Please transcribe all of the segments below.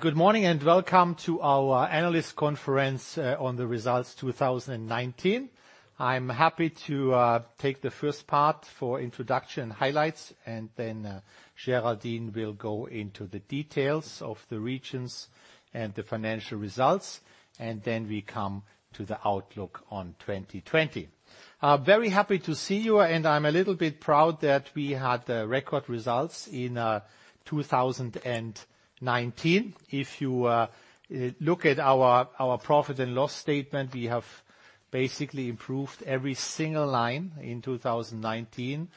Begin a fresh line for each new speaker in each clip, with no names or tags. Good morning, welcome to our Analyst Conference on the Results 2019. I'm happy to take the first part for introduction highlights, and then Géraldine will go into the details of the regions and the financial results. We come to the outlook on 2020. Very happy to see you, and I'm a little bit proud that we had record results in 2019. If you look at our profit and loss statement, we have basically improved every single line in 2019.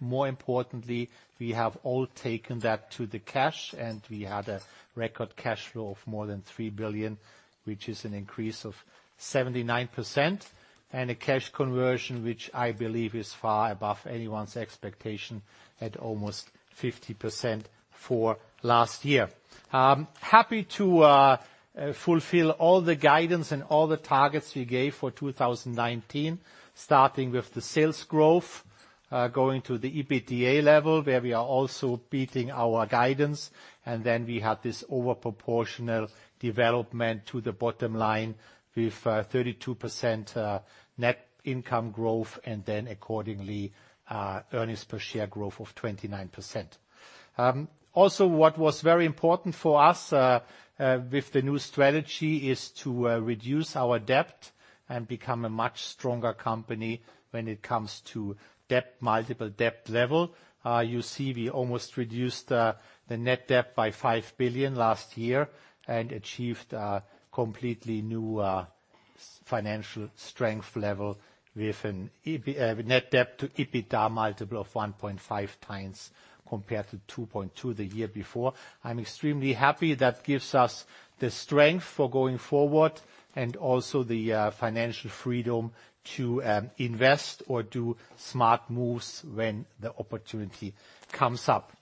More importantly, we have all taken that to the cash, and we had a record cash flow of more than 3 billion, which is an increase of 79%, and a cash conversion, which I believe is far above anyone's expectation at almost 50% for last year. Happy to fulfill all the guidance and all the targets we gave for 2019, starting with the sales growth, going to the EBITDA level, where we are also beating our guidance. We had this overproportional development to the bottom line with 32% net income growth, and then accordingly, earnings per share growth of 29%. Also, what was very important for us, with the new strategy, is to reduce our debt and become a much stronger company when it comes to multiple debt level. You see, we almost reduced the net debt by 5 billion last year and achieved a completely new financial strength level with a net debt to EBITDA multiple of 1.5x compared to 2.2 the year before. I'm extremely happy. That gives us the strength for going forward and also the financial freedom to invest or do smart moves when the opportunity comes up.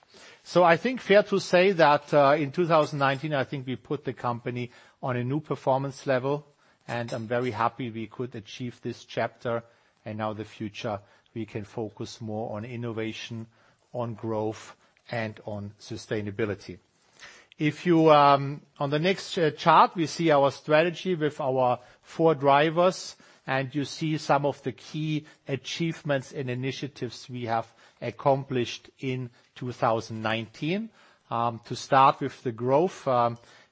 I think fair to say that in 2019, I think we put the company on a new performance level, and I'm very happy we could achieve this chapter, and now the future, we can focus more on innovation, on growth, and on sustainability. On the next chart, we see our strategy with our four drivers, and you see some of the key achievements and initiatives we have accomplished in 2019. To start with the growth,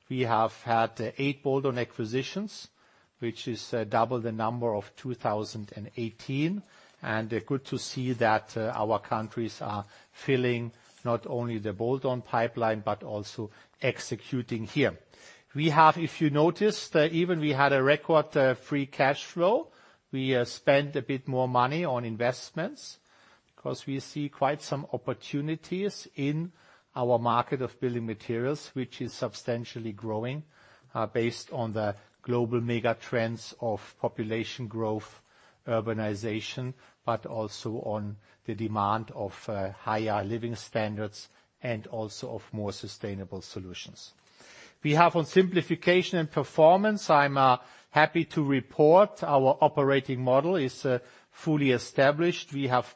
we have had eight bolt-on acquisitions, which is double the number of 2018, and good to see that our countries are filling not only the bolt-on pipeline but also executing here. We have, if you noticed, even we had a record free cash flow. We spent a bit more money on investments because we see quite some opportunities in our market of building materials, which is substantially growing based on the global mega trends of population growth, urbanization, but also on the demand of higher living standards and also of more sustainable solutions. We have on simplification and performance, I'm happy to report our operating model is fully established. We have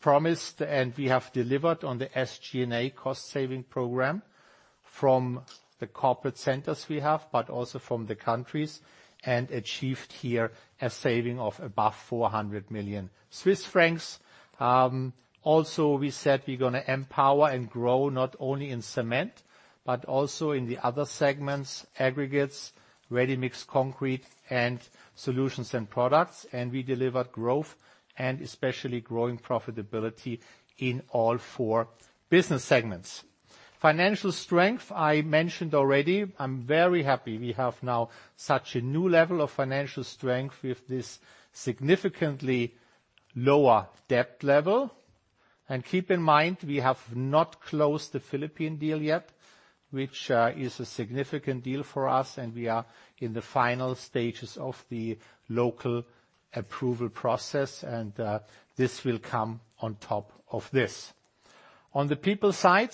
promised and we have delivered on the SG&A cost-saving program from the corporate centers we have, but also from the countries, and achieved here a saving of above 400 million Swiss francs. We said we're going to empower and grow not only in cement, but also in the other segments, aggregates, ready-mix concrete, and solutions and products. We delivered growth and especially growing profitability in all four business segments. Financial strength, I mentioned already. I'm very happy we have now such a new level of financial strength with this significantly lower debt level. Keep in mind, we have not closed the Philippine deal yet, which is a significant deal for us, we are in the final stages of the local approval process, this will come on top of this. On the people side,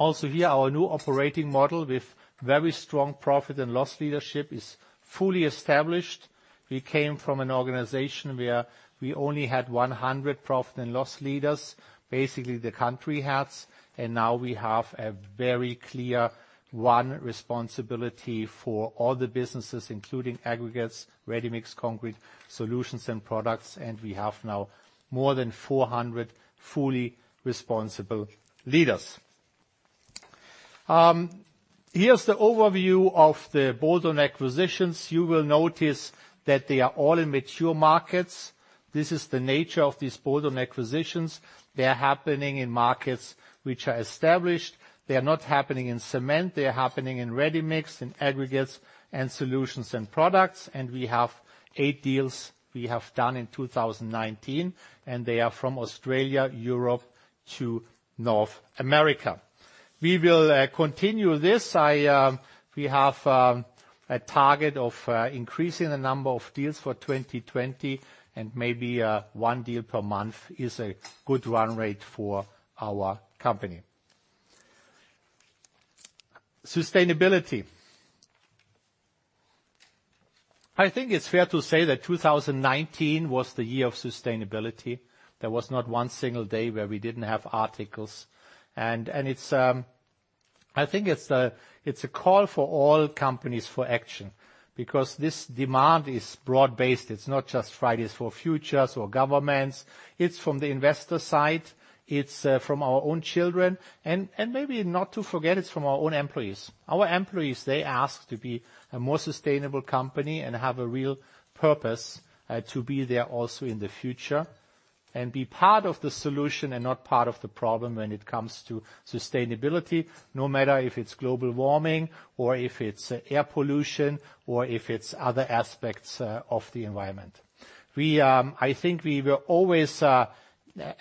also here, our new operating model with very strong profit and loss leadership is fully established. We came from an organization where we only had 100 profit and loss leaders, basically the country heads, now we have a very clear one responsibility for all the businesses, including aggregates, ready-mix concrete, solutions and products, we have now more than 400 fully responsible leaders. Here's the overview of the bolt-on acquisitions. You will notice that they are all in mature markets. This is the nature of these bolt-on acquisitions. They are happening in markets which are established. They are not happening in cement. They are happening in ready-mix, in aggregates, and solutions and products. We have eight deals we have done in 2019, and they are from Australia, Europe to North America. We will continue this. We have a target of increasing the number of deals for 2020, and maybe one deal per month is a good run rate for our company. Sustainability. I think it's fair to say that 2019 was the year of sustainability. There was not one single day where we didn't have articles. I think it's a call for all companies for action, because this demand is broad-based. It's not just Fridays for Future or governments. It's from the investor side, it's from our own children, and maybe not to forget, it's from our own employees. Our employees, they ask to be a more sustainable company and have a real purpose, to be there also in the future, and be part of the solution and not part of the problem when it comes to sustainability, no matter if it's global warming or if it's air pollution, or if it's other aspects of the environment. I think we were always a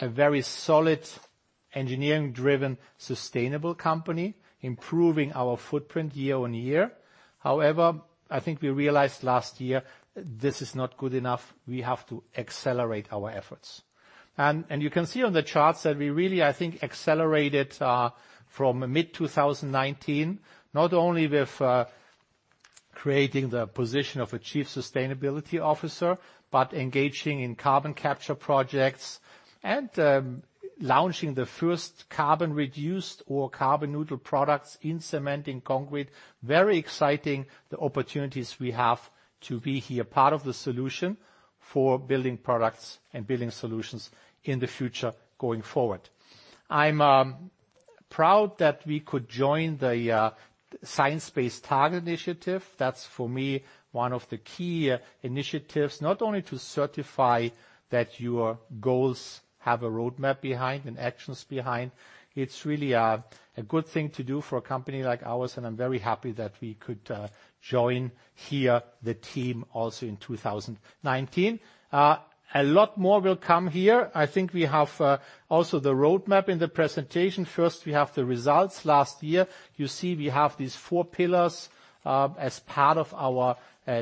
very solid engineering-driven, sustainable company, improving our footprint year on year. I think we realized last year this is not good enough. We have to accelerate our efforts. You can see on the charts that we really, I think, accelerated from mid-2019, not only with creating the position of a Chief Sustainability Officer, but engaging in carbon capture projects and launching the first carbon reduced or carbon neutral products in cement and concrete. Very exciting, the opportunities we have to be here, part of the solution for building products and building solutions in the future going forward. I'm proud that we could join the Science Based Targets initiative. That's, for me, one of the key initiatives, not only to certify that your goals have a roadmap behind and actions behind. It's really a good thing to do for a company like ours. I'm very happy that we could join here the team also in 2019. A lot more will come here. I think we have also the roadmap in the presentation. First, we have the results last year. You see we have these four pillars, as part of our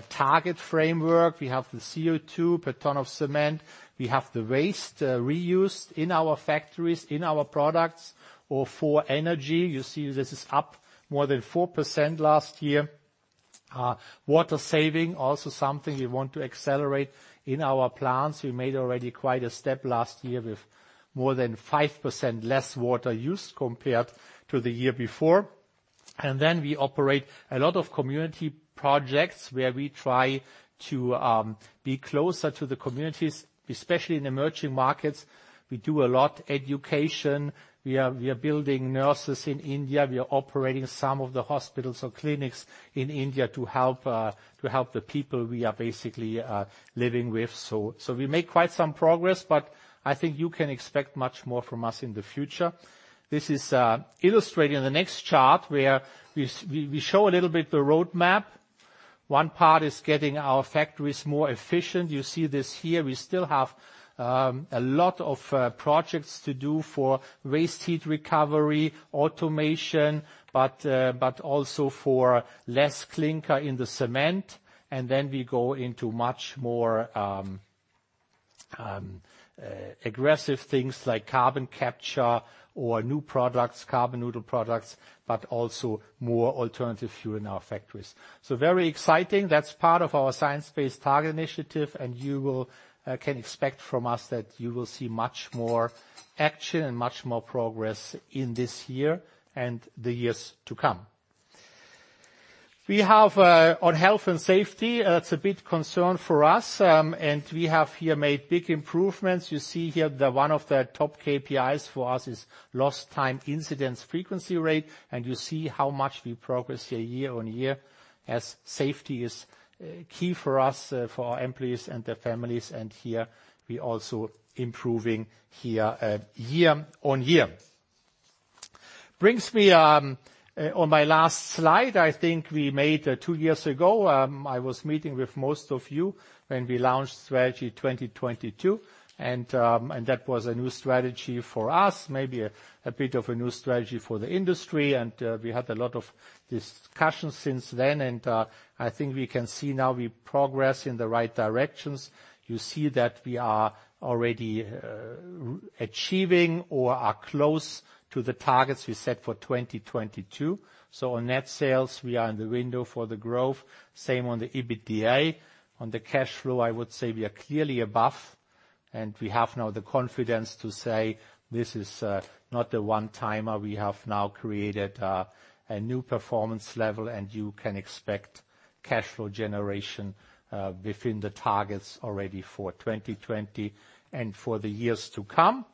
target framework. We have the CO2 per ton of cement. We have the waste reused in our factories, in our products, or for energy. You see this is up more than 4% last year. Water saving, also something we want to accelerate in our plants. We made already quite a step last year with more than 5% less water used compared to the year before. We operate a lot of community projects where we try to be closer to the communities, especially in emerging markets. We do a lot education. We are building nurseries in India. We are operating some of the hospitals or clinics in India to help the people we are basically living with. We make quite some progress, but I think you can expect much more from us in the future. This is illustrated in the next chart, where we show a little bit the roadmap. One part is getting our factories more efficient. You see this here. We still have a lot of projects to do for waste heat recovery, automation, but also for less clinker in the cement. We go into much more aggressive things like carbon capture or new products, carbon neutral products, but also more alternative fuel in our factories. Very exciting. That's part of our Science Based Targets initiative, and you can expect from us that you will see much more action and much more progress in this year and the years to come. We have on health and safety, it's a bit concern for us, and we have here made big improvements. You see here that one of the top KPIs for us is lost time injury frequency rate, and you see how much we progress here year-over-year, as safety is key for us, for our employees and their families. Here we also improving here year on year. Brings me on my last slide, I think we made two years ago. I was meeting with most of you when we launched Strategy 2022. That was a new strategy for us, maybe a bit of a new strategy for the industry. We had a lot of discussions since then. I think we can see now we progress in the right directions. You see that we are already achieving or are close to the targets we set for 2022. On net sales, we are in the window for the growth. Same on the EBITDA. On the cash flow, I would say we are clearly above. We have now the confidence to say this is not a one-timer. We have now created a new performance level, you can expect cash flow generation within the targets already for 2020 and for the years to come.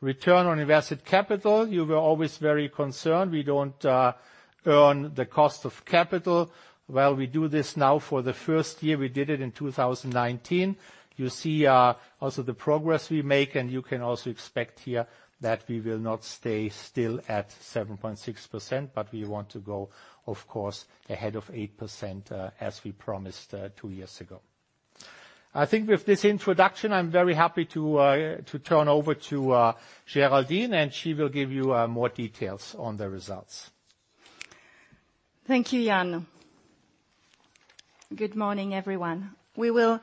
Return on invested capital, you were always very concerned we don't earn the cost of capital. Well, we do this now for the first year. We did it in 2019. You see also the progress we make, you can also expect here that we will not stay still at 7.6%, but we want to go, of course, ahead of 8%, as we promised two years ago. I think with this introduction, I'm very happy to turn over to Géraldine, She will give you more details on the results.
Thank you, Jan. Good morning, everyone. We will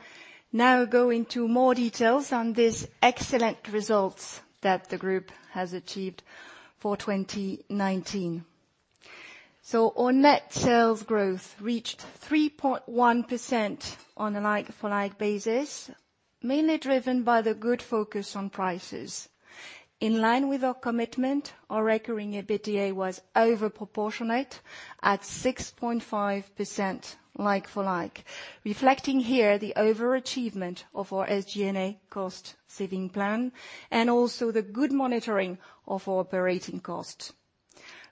now go into more details on these excellent results that the group has achieved for 2019. Our net sales growth reached 3.1% on a like-for-like basis, mainly driven by the good focus on prices. In line with our commitment, our recurring EBITDA was overproportionate at 6.5% like-for-like, reflecting here the overachievement of our SG&A cost-saving plan and also the good monitoring of our operating cost.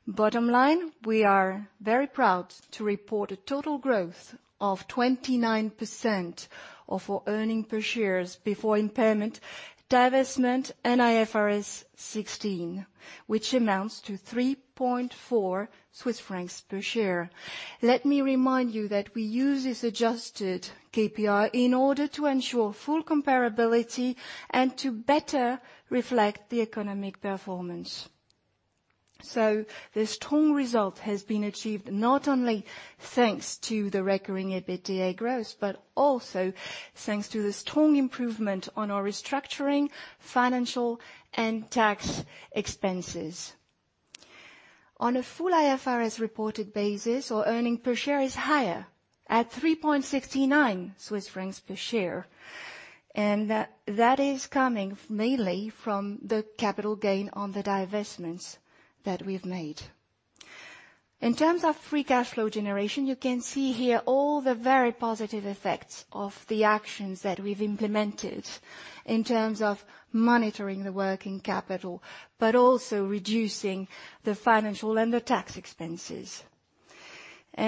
Bottom line, we are very proud to report a total growth of 29% of our earnings per share before impairment, divestment and IFRS 16, which amounts to 3.4 Swiss francs per share. Let me remind you that we use this adjusted KPI in order to ensure full comparability and to better reflect the economic performance. The strong result has been achieved not only thanks to the recurring EBITDA growth, but also thanks to the strong improvement on our restructuring, financial, and tax expenses. On a full IFRS-reported basis, our earnings per share is higher at 3.69 Swiss francs per share, that is coming mainly from the capital gain on the divestments that we've made. In terms of free cash flow generation, you can see here all the very positive effects of the actions that we've implemented in terms of monitoring the working capital, but also reducing the financial and the tax expenses.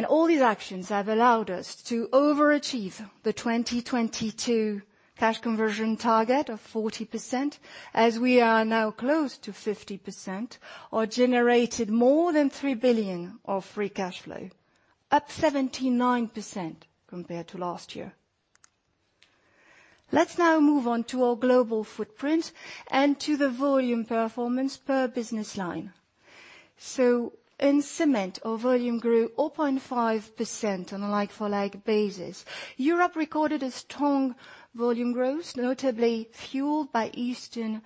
All these actions have allowed us to overachieve the 2022 cash conversion target of 40%, as we are now close to 50%, or generated more than 3 billion of free cash flow, up 79% compared to last year. Let's now move on to our global footprint and to the volume performance per business line. In cement, our volume grew 0.5% on a like-for-like basis. Europe recorded a strong volume growth, notably fueled by Eastern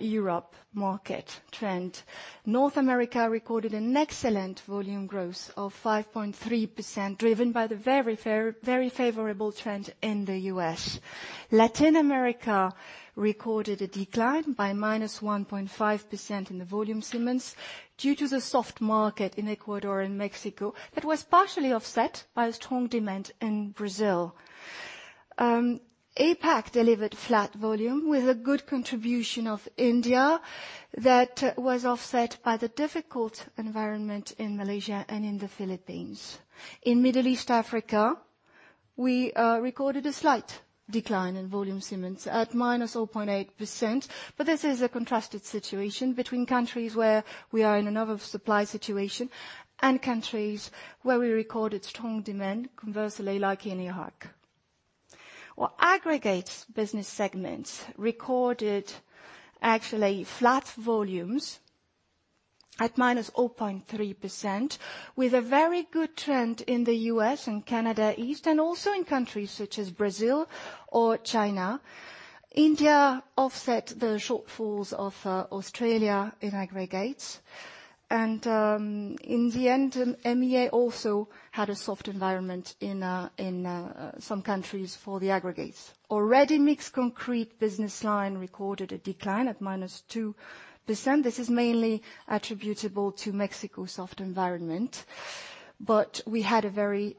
Europe market trend. North America recorded an excellent volume growth of 5.3%, driven by the very favorable trend in the U.S. Latin America recorded a decline by -1.5% in the volume cements due to the soft market in Ecuador and Mexico, that was partially offset by strong demand in Brazil. APAC delivered flat volume with a good contribution of India that was offset by the difficult environment in Malaysia and in the Philippines. In Middle East Africa, we recorded a slight decline in volume cements at -0.8%. This is a contrasted situation between countries where we are in an oversupply situation and countries where we recorded strong demand, conversely, like in Iraq. Our aggregates business segment recorded actually flat volumes at -0.3%, with a very good trend in the U.S. and Canada East, and also in countries such as Brazil or China. India offset the shortfalls of Australia in aggregates. In the end, MEA also had a soft environment in some countries for the aggregates. Our ready-mix concrete business line recorded a decline at -2%. This is mainly attributable to Mexico's soft environment. We had a very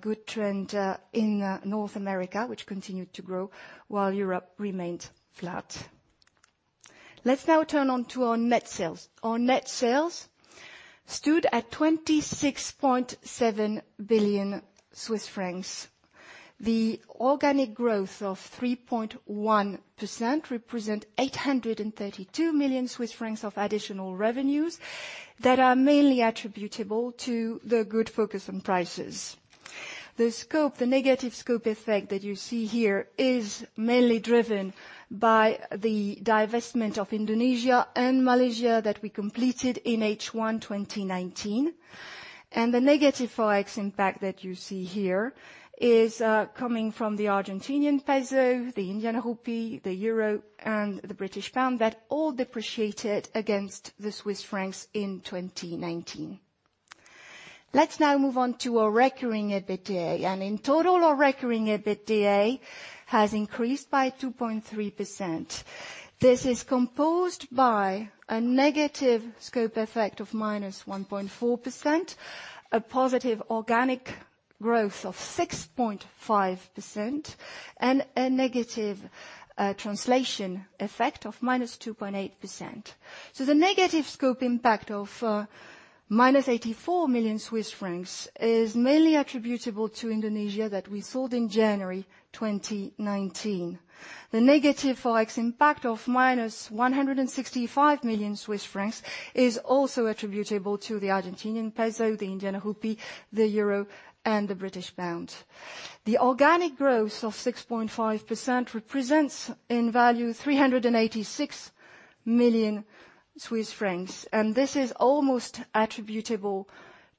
good trend in North America, which continued to grow while Europe remained flat. Let's now turn on to our net sales. Our net sales stood at 26.7 billion Swiss francs. The organic growth of 3.1% represent 832 million Swiss francs of additional revenues that are mainly attributable to the good focus on prices. The negative scope effect that you see here is mainly driven by the divestment of Indonesia and Malaysia that we completed in H1 2019. The negative FX impact that you see here is coming from the Argentinian peso, the Indian rupee, the euro, and the British pound that all depreciated against the Swiss francs in 2019. Let's now move on to our recurring EBITDA. In total, our recurring EBITDA has increased by 2.3%. This is composed by a negative scope effect of -1.4%, a positive organic growth of 6.5%, and a negative translation effect of -2.8%. The negative scope impact of -84 million Swiss francs is mainly attributable to Indonesia that we sold in January 2019. The negative FX impact of -165 million Swiss francs is also attributable to the Argentinian peso, the Indian rupee, the euro, and the British pound. The organic growth of 6.5% represents, in value, 386 million Swiss francs, this is almost attributable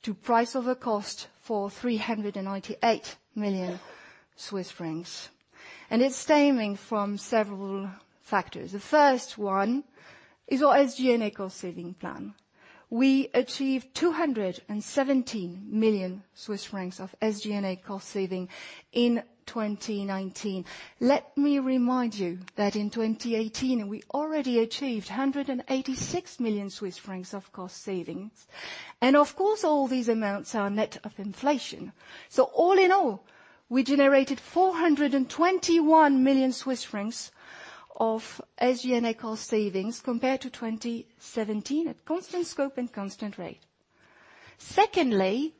to price over cost for 398 million Swiss francs. It's stemming from several factors. The first one is our SG&A cost-saving plan. We achieved 217 million Swiss francs of SG&A cost saving in 2019. Let me remind you that in 2018, we already achieved 186 million Swiss francs of cost savings. Of course, all these amounts are net of inflation. All in all, we generated 421 million Swiss francs of SG&A cost savings compared to 2017 at constant scope and constant rate. Secondly,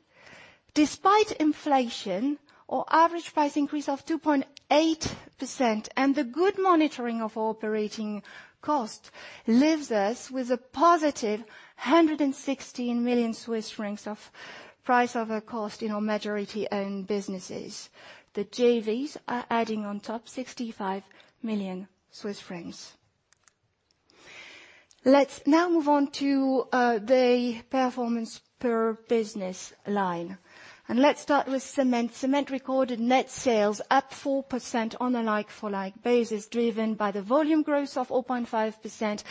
despite inflation, our average price increase of 2.8% and the good monitoring of operating cost leaves us with a positive 116 million Swiss francs of price over cost in our majority-owned businesses. The JVs are adding on top 65 million Swiss francs. Let's now move on to the performance per business line, and let's start with Cement. Cement recorded net sales up 4% on a like-for-like basis, driven by the volume growth of 0.5%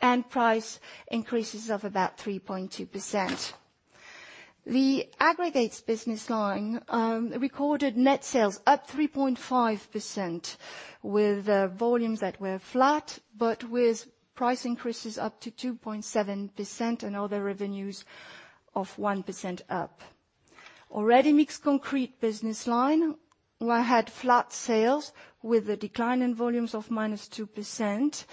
and price increases of about 3.2%. The Aggregates business line recorded net sales up 3.5%, with volumes that were flat but with price increases up to 2.7% and other revenues of 1% up. Ready-Mixed Concrete business line had flat sales with a decline in volumes of minus 2%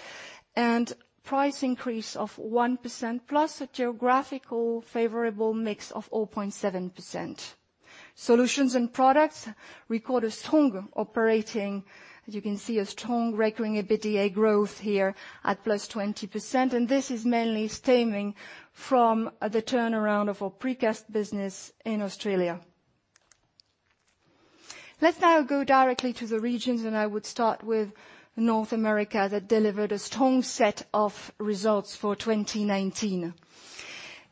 and price increase of 1%, plus a geographical favorable mix of 0.7%. Solutions and Products record a strong recurring EBITDA growth here at plus 20%, and this is mainly stemming from the turnaround of our Precast business in Australia. Let's now go directly to the regions, and I would start with North America that delivered a strong set of results for 2019.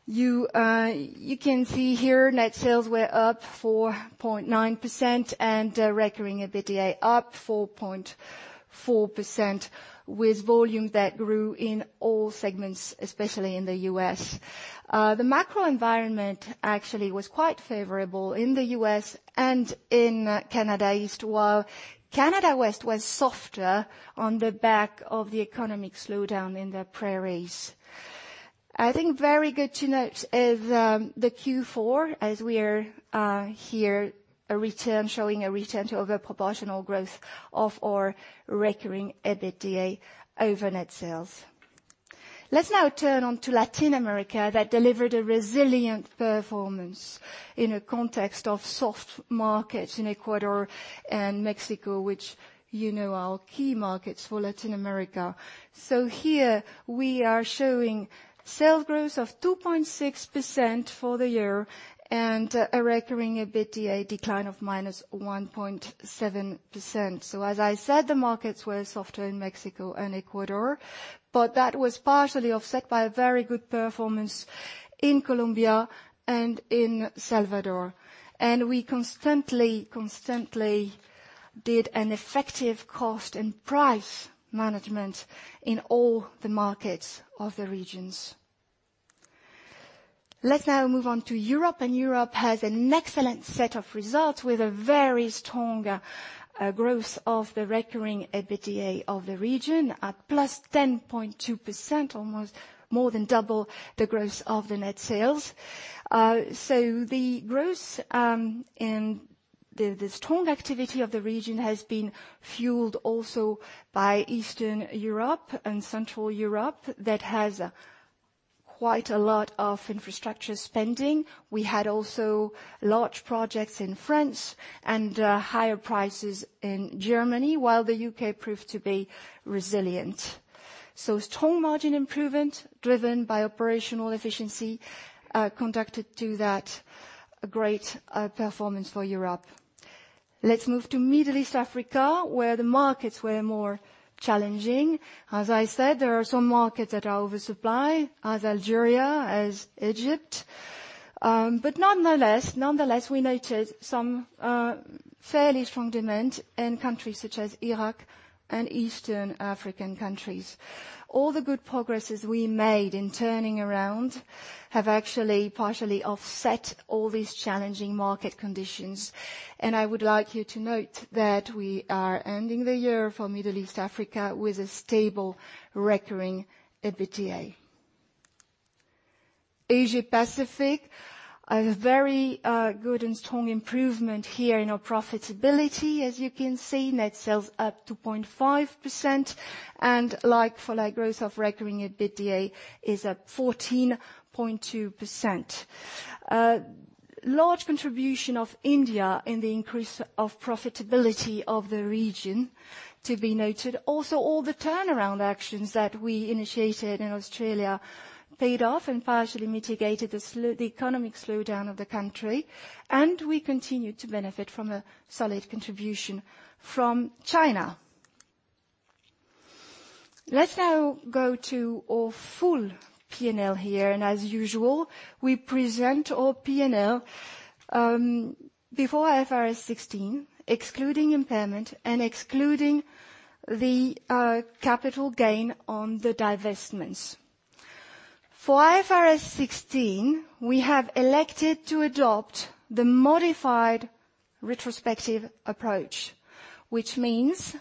You can see here net sales were up 4.9% and recurring EBITDA up 4.4%, with volume that grew in all segments, especially in the U.S. The macro environment actually was quite favorable in the U.S. and in Canada East, while Canada West was softer on the back of the economic slowdown in the prairies. I think very good to note is the Q4, as we are here showing a return to over-proportional growth of our recurring EBITDA over net sales. Let's now turn on to Latin America that delivered a resilient performance in a context of soft markets in Ecuador and Mexico, which you know are key markets for Latin America. Here we are showing sales growth of 2.6% for the year and a recurring EBITDA decline of -1.7%. As I said, the markets were softer in Mexico and Ecuador, but that was partially offset by a very good performance in Colombia and in El Salvador. We constantly did an effective cost and price management in all the markets of the regions. Let's now move on to Europe, and Europe has an excellent set of results with a very strong growth of the recurring EBITDA of the region at +10.2%, almost more than double the growth of the net sales. The growth and the strong activity of the region has been fueled also by Eastern Europe and Central Europe that has quite a lot of infrastructure spending. We had also large projects in France and higher prices in Germany, while the U.K. proved to be resilient. Strong margin improvement driven by operational efficiency contributed to that great performance for Europe. Let's move to Middle East Africa, where the markets were more challenging. As I said, there are some markets that are oversupply, as Algeria, as Egypt. Nonetheless, we noted some fairly strong demand in countries such as Iraq and Eastern African countries. All the good progress we made in turning around have actually partially offset all these challenging market conditions. I would like you to note that we are ending the year for Middle East Africa with a stable recurring EBITDA. Asia Pacific, a very good and strong improvement here in our profitability. As you can see, net sales up 2.5% and like-for-like growth of recurring EBITDA is up 14.2%. Large contribution of India in the increase of profitability of the region to be noted. Also, all the turnaround actions that we initiated in Australia paid off and partially mitigated the economic slowdown of the country. We continued to benefit from a solid contribution from China. Let's now go to our full P&L here. As usual, we present our P&L before IFRS 16, excluding impairment and excluding the capital gain on the divestments. For IFRS 16, we have elected to adopt the modified retrospective approach, which means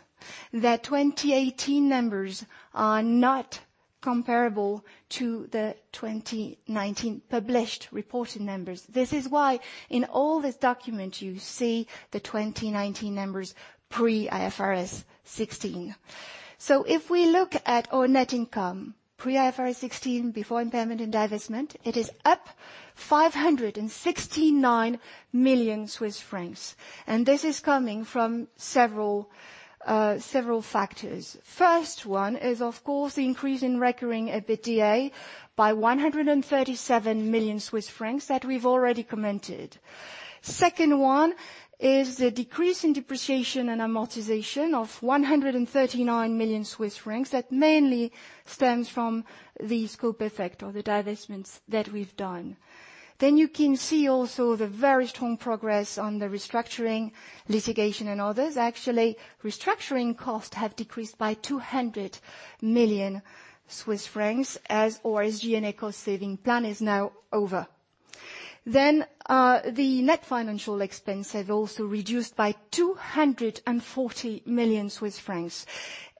that 2018 numbers are not comparable to the 2019 published reported numbers. This is why in all this document, you see the 2019 numbers pre IFRS 16. If we look at our net income, pre IFRS 16, before impairment and divestment, it is up 569 million Swiss francs. This is coming from several factors. First one is, of course, the increase in recurring EBITDA by 137 million Swiss francs that we've already commented. Second one is the decrease in depreciation and amortization of 139 million Swiss francs, that mainly stems from the scope effect or the divestments that we've done. You can see also the very strong progress on the restructuring, litigation, and others. Actually, restructuring costs have decreased by 200 million Swiss francs as our SG&A cost-saving plan is now over. The net financial expense have also reduced by 240 million Swiss francs,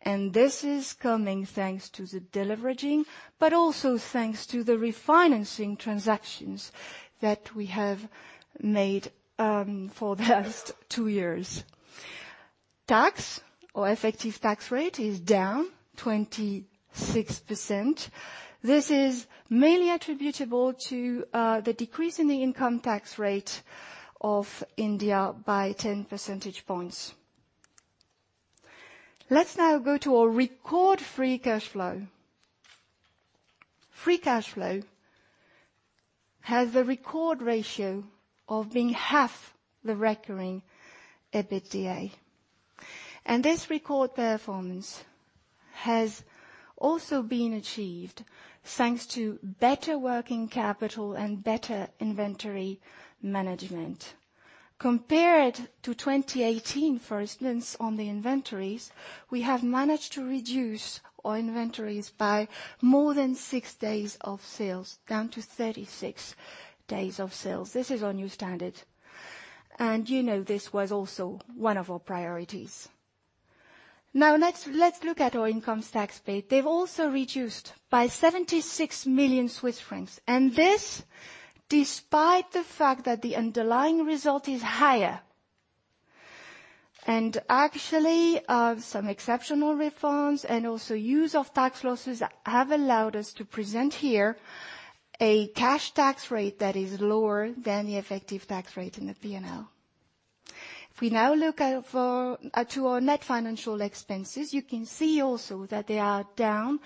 and this is coming thanks to the deleveraging, but also thanks to the refinancing transactions that we have made for the last two years. Tax or effective tax rate is down 26%. This is mainly attributable to the decrease in the income tax rate of India by 10 percentage points. Let's now go to our record free cash flow. Free cash flow has a record ratio of being half the recurring EBITDA. This record performance has also been achieved thanks to better working capital and better inventory management. Compared to 2018, for instance, on the inventories, we have managed to reduce our inventories by more than six days of sales, down to 36 days of sales. This is our new standard. You know this was also one of our priorities. Let's look at our income tax paid. They've also reduced by 76 million Swiss francs. This despite the fact that the underlying result is higher. Actually, some exceptional refunds and also use of tax losses have allowed us to present here a cash tax rate that is lower than the effective tax rate in the P&L. If we now look to our net financial expenses, you can see also that they are down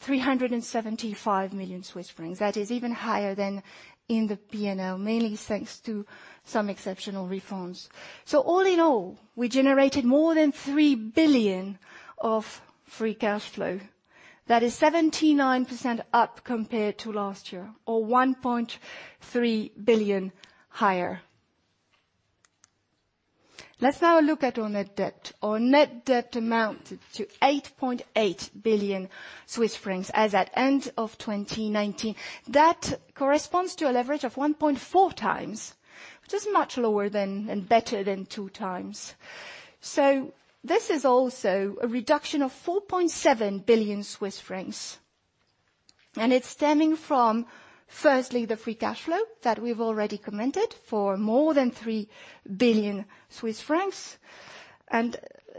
375 million Swiss francs. That is even higher than in the P&L, mainly thanks to some exceptional refunds. All in all, we generated more than 3 billion of free cash flow. That is 79% up compared to last year, or 1.3 billion higher. Let's now look at our net debt. Our net debt amounted to 8.8 billion Swiss francs as at end of 2019. That corresponds to a leverage of 1.4x, which is much lower and better than two times. This is also a reduction of 4.7 billion Swiss francs, and it's stemming from, firstly, the free cash flow that we've already commented for more than 3 billion Swiss francs.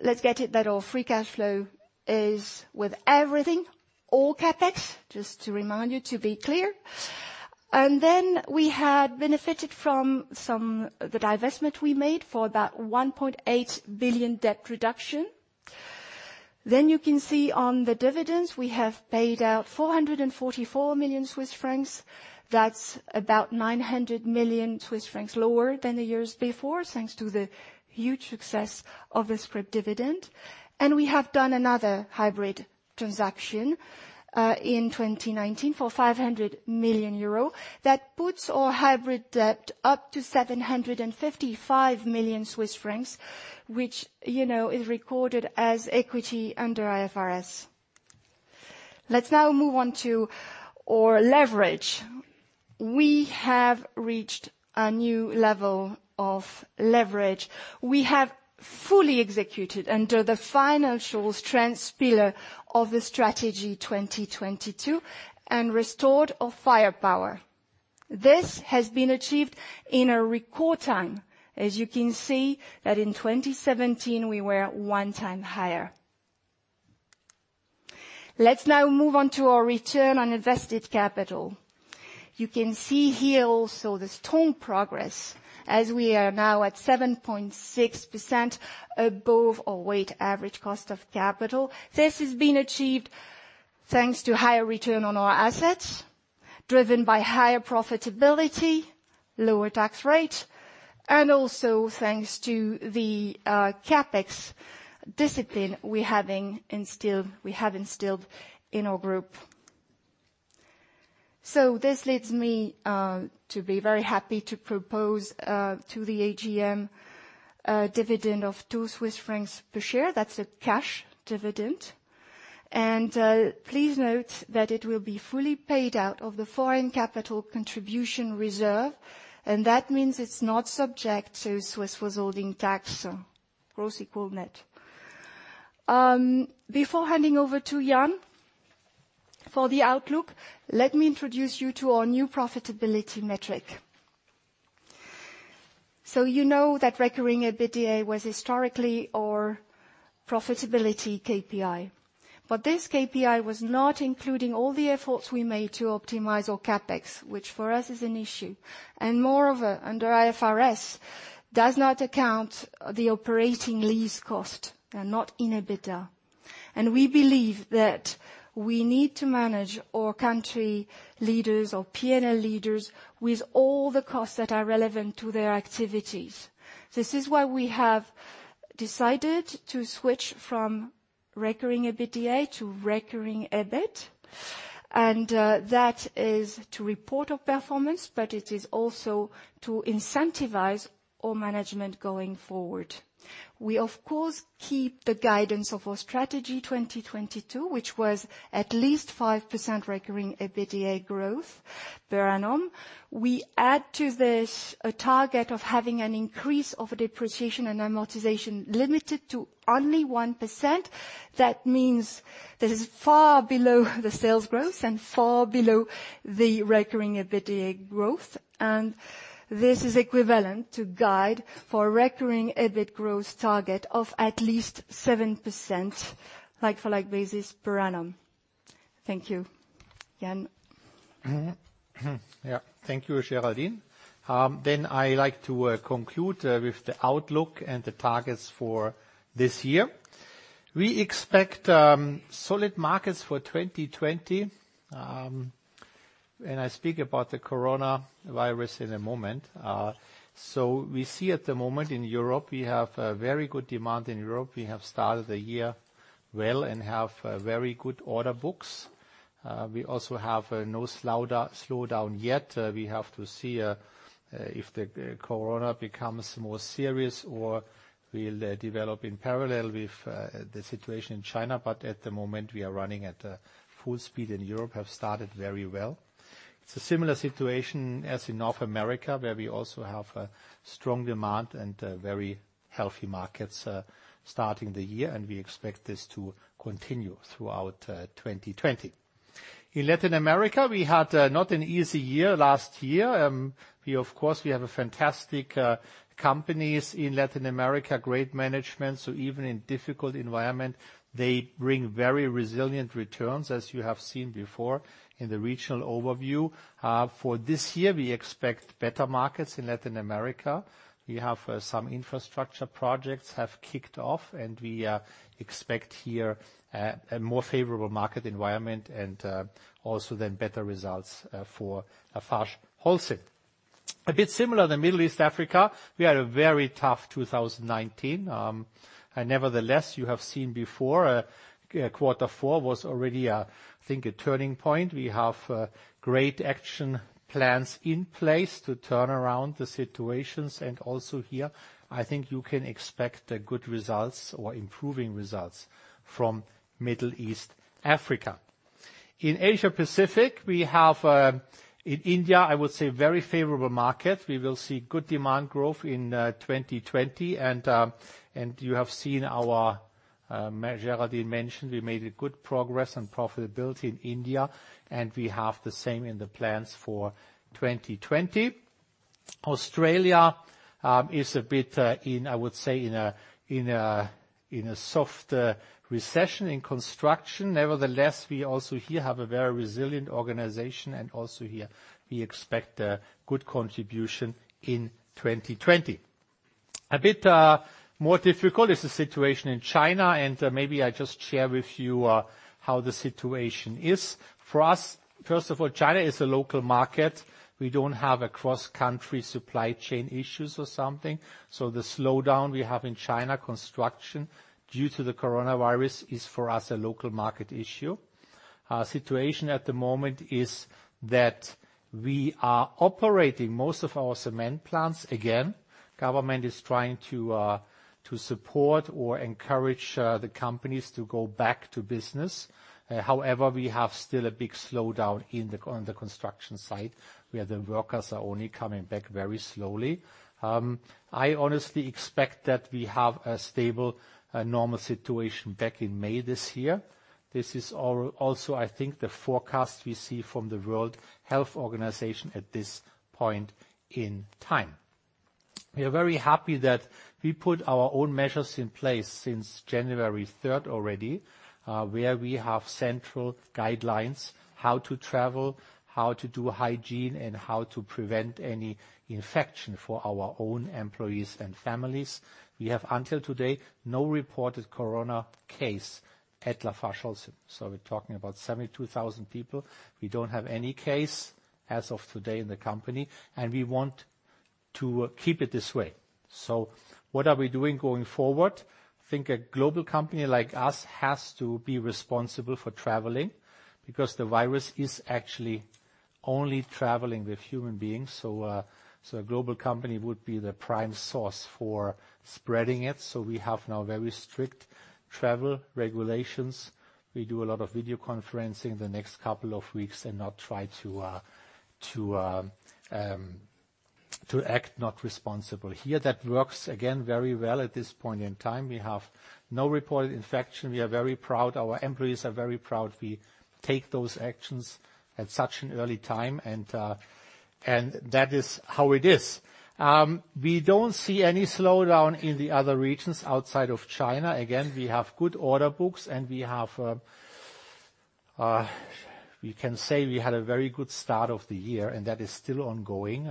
Let's get it that our free cash flow is with everything, all CapEx, just to remind you to be clear. We had benefited from the divestment we made for about 1.8 billion debt reduction. You can see on the dividends, we have paid out 444 million Swiss francs. That's about 900 million Swiss francs lower than the years before, thanks to the huge success of the scrip dividend. We have done another hybrid bond, in 2019 for 500 million euro. That puts our hybrid debt up to 755 million Swiss francs, which is recorded as equity under IFRS. Let's now move on to our leverage. We have reached a new level of leverage. We have fully executed under the financial strength pillar of the Strategy 2022 and restored our firepower. This has been achieved in a record time. As you can see that in 2017, we were one time higher. Let's now move on to our return on invested capital. You can see here also the strong progress as we are now at 7.6% above our weighted average cost of capital. This has been achieved thanks to higher return on our assets. Driven by higher profitability, lower tax rate, and also thanks to the CapEx discipline we have instilled in our group. This leads me to be very happy to propose to the AGM a dividend of 2 Swiss francs per share. That's a cash dividend, and please note that it will be fully paid out of the foreign capital contribution reserve, and that means it's not subject to Swiss withholding tax, so gross equal net. Before handing over to Jan for the outlook, let me introduce you to our new profitability metric. You know that recurring EBITDA was historically our profitability KPI, but this KPI was not including all the efforts we made to optimize our CapEx, which for us is an issue. Moreover, under IFRS, does not account the operating lease cost, not in EBITDA. We believe that we need to manage our country leaders or P&L leaders with all the costs that are relevant to their activities. This is why we have decided to switch from recurring EBITDA to recurring EBIT, and that is to report our performance, but it is also to incentivize our management going forward. We of course keep the guidance of our Strategy 2022, which was at least 5% recurring EBITDA growth per annum. We add to this a target of having an increase of depreciation and amortization limited to only 1%. That means that it's far below the sales growth and far below the recurring EBITDA growth. This is equivalent to guide for recurring EBIT growth target of at least 7% like-for-like basis per annum. Thank you. Jan?
Yeah. Thank you, Géraldine. I like to conclude with the outlook and the targets for this year. We expect solid markets for 2020. I speak about the coronavirus in a moment. We see at the moment in Europe, we have a very good demand in Europe. We have started the year well and have very good order books. We also have no slowdown yet. We have to see if the corona becomes more serious or will develop in parallel with the situation in China. At the moment, we are running at full speed and Europe have started very well. It's a similar situation as in North America, where we also have a strong demand and very healthy markets starting the year. We expect this to continue throughout 2020. In Latin America, we had not an easy year last year. Of course, we have a fantastic companies in Latin America, great management. Even in difficult environment, they bring very resilient returns, as you have seen before in the regional overview. For this year, we expect better markets in Latin America. We have some infrastructure projects have kicked off, and we expect here a more favorable market environment and also then better results for LafargeHolcim. A bit similar, the Middle East, Africa, we had a very tough 2019. Nevertheless, you have seen before, quarter four was already, I think, a turning point. We have great action plans in place to turn around the situations. Also here, I think you can expect good results or improving results from Middle East, Africa. In Asia Pacific, we have in India, I would say, very favorable market. We will see good demand growth in 2020. You have seen Géraldine mentioned, we made a good progress on profitability in India, and we have the same in the plans for 2020. Australia is a bit in, I would say, in a soft recession in construction. Nevertheless, we also here have a very resilient organization, and also here we expect a good contribution in 2020. A bit more difficult is the situation in China, and maybe I just share with you how the situation is. For us, first of all, China is a local market. We don't have a cross-country supply chain issues or something. The slowdown we have in China construction due to the coronavirus is for us a local market issue. Our situation at the moment is that we are operating most of our cement plants again. Government is trying to support or encourage the companies to go back to business. However, we have still a big slowdown on the construction site, where the workers are only coming back very slowly. I honestly expect that we have a stable, normal situation back in May this year. This is also, I think, the forecast we see from the World Health Organization at this point in time. We are very happy that we put our own measures in place since January 3rd already, where we have central guidelines, how to travel, how to do hygiene, and how to prevent any infection for our own employees and families. We have until today, no reported corona case at LafargeHolcim. We're talking about 72,000 people. We don't have any case as of today in the company, and we want to keep it this way. What are we doing going forward? I think a global company like us has to be responsible for traveling, because the virus is actually only traveling with human beings. A global company would be the prime source for spreading it. We have now very strict travel regulations. We do a lot of video conferencing the next couple of weeks and not try to act not responsible. Here, that works, again, very well at this point in time. We have no reported infection. We are very proud, our employees are very proud we take those actions at such an early time, and that is how it is. We don't see any slowdown in the other regions outside of China. We have good order books, and we can say we had a very good start of the year, and that is still ongoing.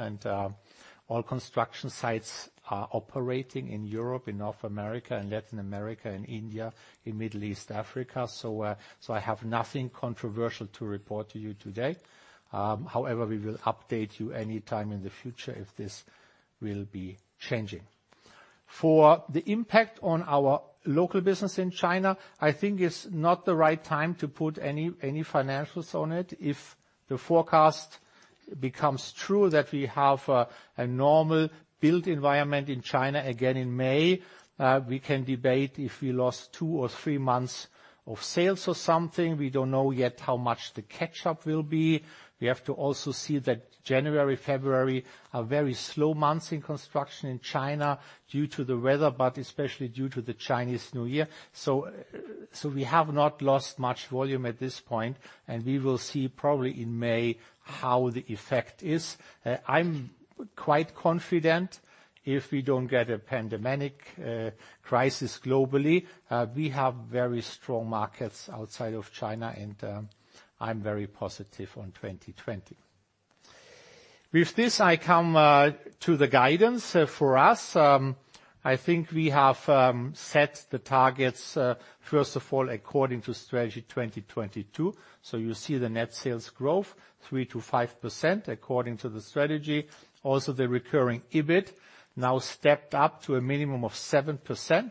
All construction sites are operating in Europe, in North America, in Latin America, in India, in Middle East, Africa. I have nothing controversial to report to you today. However, we will update you any time in the future if this will be changing. For the impact on our local business in China, I think it's not the right time to put any financials on it. If the forecast becomes true that we have a normal build environment in China again in May, we can debate if we lost two or three months of sales or something. We don't know yet how much the catch-up will be. We have to also see that January, February are very slow months in construction in China due to the weather, but especially due to the Chinese New Year. We have not lost much volume at this point, and we will see probably in May how the effect is. I'm quite confident if we don't get a pandemic crisis globally. We have very strong markets outside of China, and I'm very positive on 2020. With this, I come to the guidance. For us, I think we have set the targets, first of all, according to Strategy 2022. You see the net sales growth 3%-5% according to the strategy. Also, the recurring EBIT now stepped up to a minimum of 7%.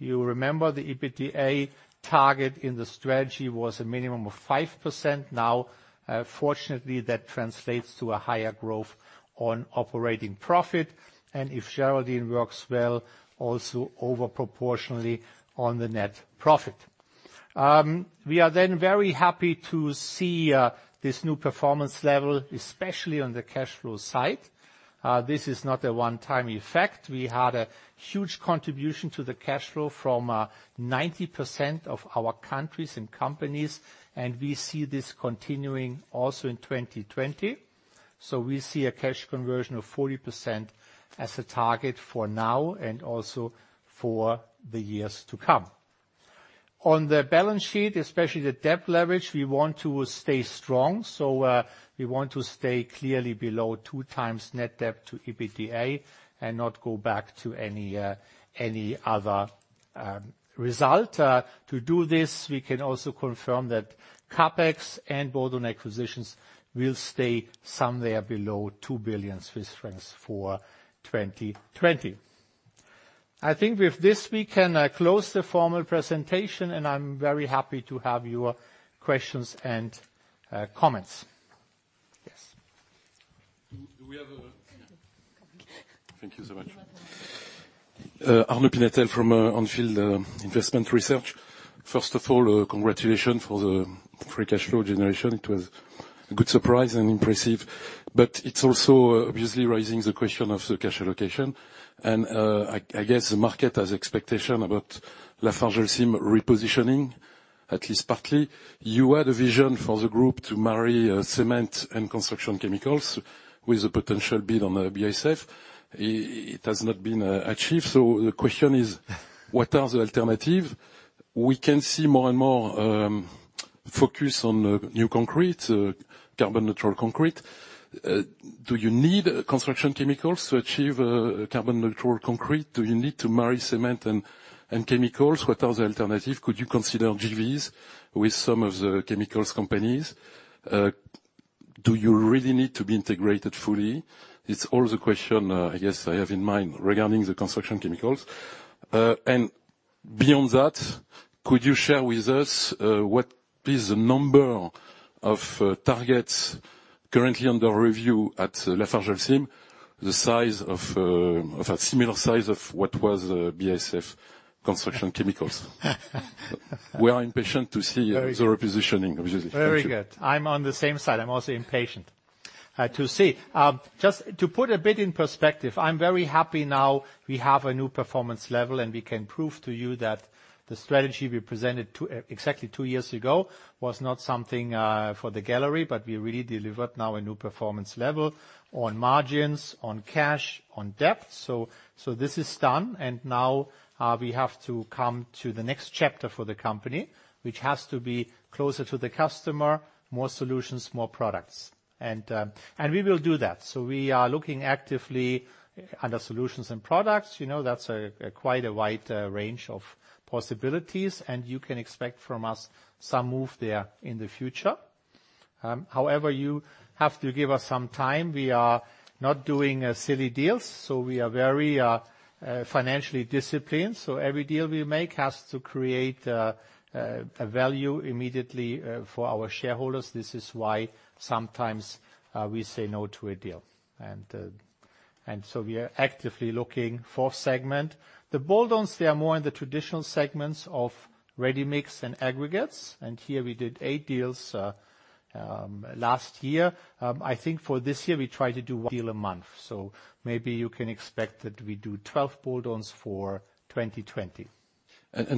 You remember the EBITDA target in the strategy was a minimum of 5%. Now, fortunately, that translates to a higher growth on operating profit, and if Géraldine works well, also over proportionally on the net profit. We are then very happy to see this new performance level, especially on the cash flow side. This is not a one-time effect. We had a huge contribution to the cash flow from 90% of our countries and companies, and we see this continuing also in 2020. We see a cash conversion of 40% as a target for now and also for the years to come. On the balance sheet, especially the debt leverage, we want to stay strong. We want to stay clearly below two times net debt to EBITDA and not go back to any other result. To do this, we can also confirm that CapEx and bolt-on acquisitions will stay somewhere below 2 billion Swiss francs for 2020. I think with this, we can close the formal presentation, and I'm very happy to have your questions and comments. Yes.
Thank you so much. Arnaud Pinatel from On Field Investment Research. First of all, congratulations for the free cash flow generation. It was a good surprise and impressive. It's also obviously raising the question of the cash allocation. I guess the market has expectation about LafargeHolcim repositioning, at least partly. You had a vision for the group to marry cement and construction chemicals with a potential bid on BASF. It has not been achieved. The question is, what are the alternatives? We can see more and more focus on new concrete, carbon-neutral concrete. Do you need construction chemicals to achieve carbon-neutral concrete? Do you need to marry cement and chemicals? What are the alternatives? Could you consider JVs with some of the chemicals companies? Do you really need to be integrated fully? It's all the question, I guess, I have in mind regarding the construction chemicals. Beyond that, could you share with us what is the number of targets currently under review at LafargeHolcim, the size of a similar size of what was BASF Construction Chemicals?
Very
The repositioning, obviously. Thank you.
Very good. I'm on the same side. I'm also impatient to see. Just to put a bit in perspective, I'm very happy now we have a new performance level, and we can prove to you that the Strategy we presented exactly two years ago was not something for the gallery, but we really delivered now a new performance level on margins, on cash, on debt. This is done, and now we have to come to the next chapter for the company, which has to be closer to the customer, more solutions, more products. We will do that. We are looking actively under solutions and products. That's quite a wide range of possibilities, and you can expect from us some move there in the future. However, you have to give us some time. We are not doing silly deals, so we are very financially disciplined. Every deal we make has to create a value immediately for our shareholders. This is why sometimes we say no to a deal. We are actively looking for segment. The build-ons, they are more in the traditional segments of ready mix and aggregates. Here we did eight deals last year. I think for this year, we try to do one deal a month. Maybe you can expect that we do 12 build-ons for 2020.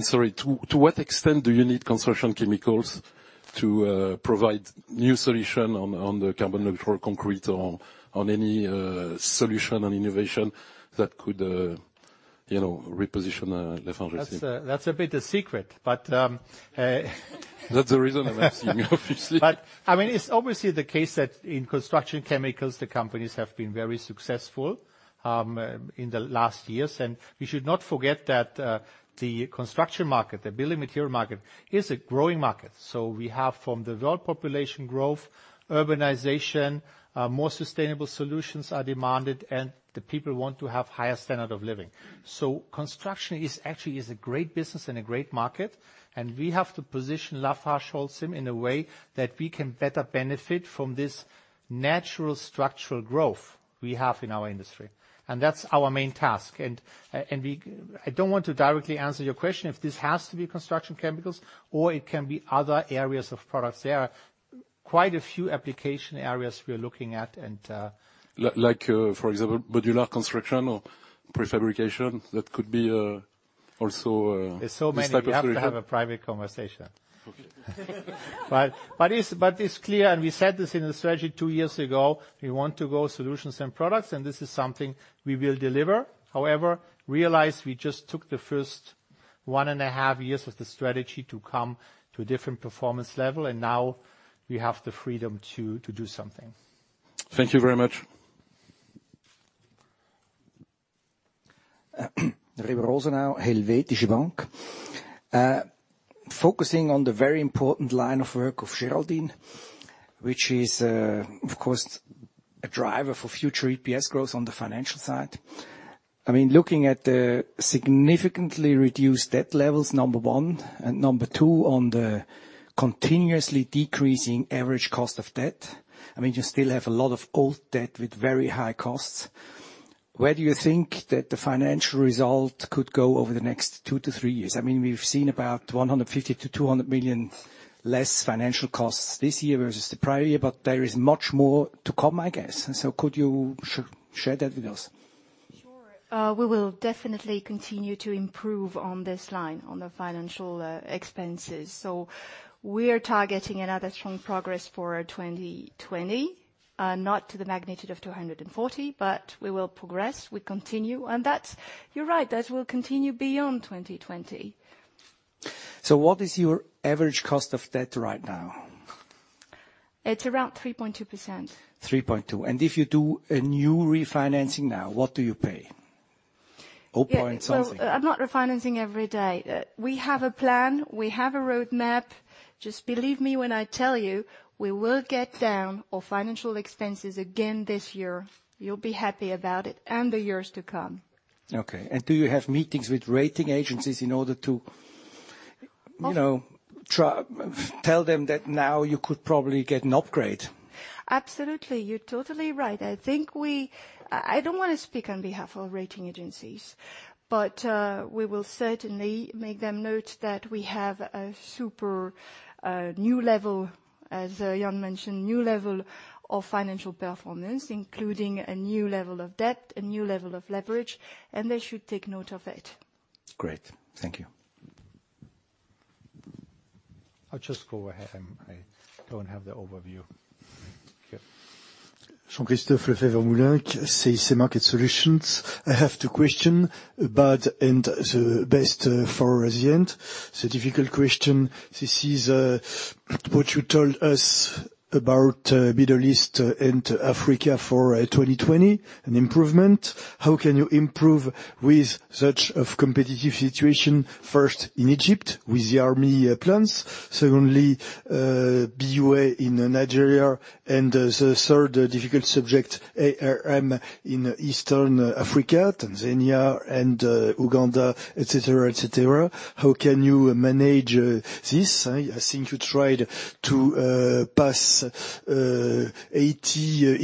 Sorry, to what extent do you need construction chemicals to provide new solution on the carbon neutral concrete or on any solution and innovation that could reposition LafargeHolcim?
That's a bit a secret, but.
That's the reason I'm asking you, obviously.
It's obviously the case that in construction chemicals, the companies have been very successful in the last years. We should not forget that the construction market, the building material market, is a growing market. We have from the world population growth, urbanization, more sustainable solutions are demanded, and the people want to have higher standard of living. Construction is actually a great business and a great market, and we have to position LafargeHolcim in a way that we can better benefit from this natural structural growth we have in our industry. That's our main task. I don't want to directly answer your question, if this has to be construction chemicals or it can be other areas of products. There are quite a few application areas we are looking at.
Like, for example, modular construction or prefabrication, that could be also.
There's so many.
This type of solution
We have to have a private conversation.
Okay.
It's clear, and we said this in the Strategy two years ago, we want to go solutions and products, and this is something we will deliver. However, realize we just took the first one and a half years of the Strategy to come to a different performance level, and now we have the freedom to do something.
Thank you very much.
Remo Rosenau, Helvetische Bank. Focusing on the very important line of work of Géraldine, which is, of course, a driver for future EPS growth on the financial side. Looking at the significantly reduced debt levels, number one, and number two, on the continuously decreasing average cost of debt. You still have a lot of old debt with very high costs. Where do you think that the financial result could go over the next two to three years? We've seen about 150 million-200 million less financial costs this year versus the prior year, but there is much more to come, I guess. Could you share that with us?
Sure. We will definitely continue to improve on this line, on the financial expenses. We are targeting another strong progress for 2020, not to the magnitude of 240, but we will progress, we continue. You're right, that will continue beyond 2020.
What is your average cost of debt right now?
It's around 3.2%.
3.2. If you do a new refinancing now, what do you pay? Oh point something.
Well, I'm not refinancing every day. We have a plan. We have a roadmap. Just believe me when I tell you, we will get down on financial expenses again this year. You'll be happy about it, and the years to come.
Okay. Do you have meetings with rating agencies in order to? Tell them that now you could probably get an upgrade?
Absolutely. You're totally right. I don't want to speak on behalf of rating agencies, but we will certainly make them note that we have a super new level, as Jan mentioned, new level of financial performance, including a new level of debt, a new level of leverage, and they should take note of it.
Great. Thank you.
I'll just go ahead. I don't have the overview. Yeah.
Jean-Christophe Lefèvre-Moulenq, CIC Market Solutions. I have two questions about, and the best for the end. The difficult question, this is what you told us about Middle East and Africa for 2020, an improvement. How can you improve with such a competitive situation, first in Egypt with the army plans, secondly, BUA in Nigeria, and the third difficult subject, ARM in Eastern Africa, Tanzania and Uganda, et cetera. How can you manage this? I think you tried to pass 80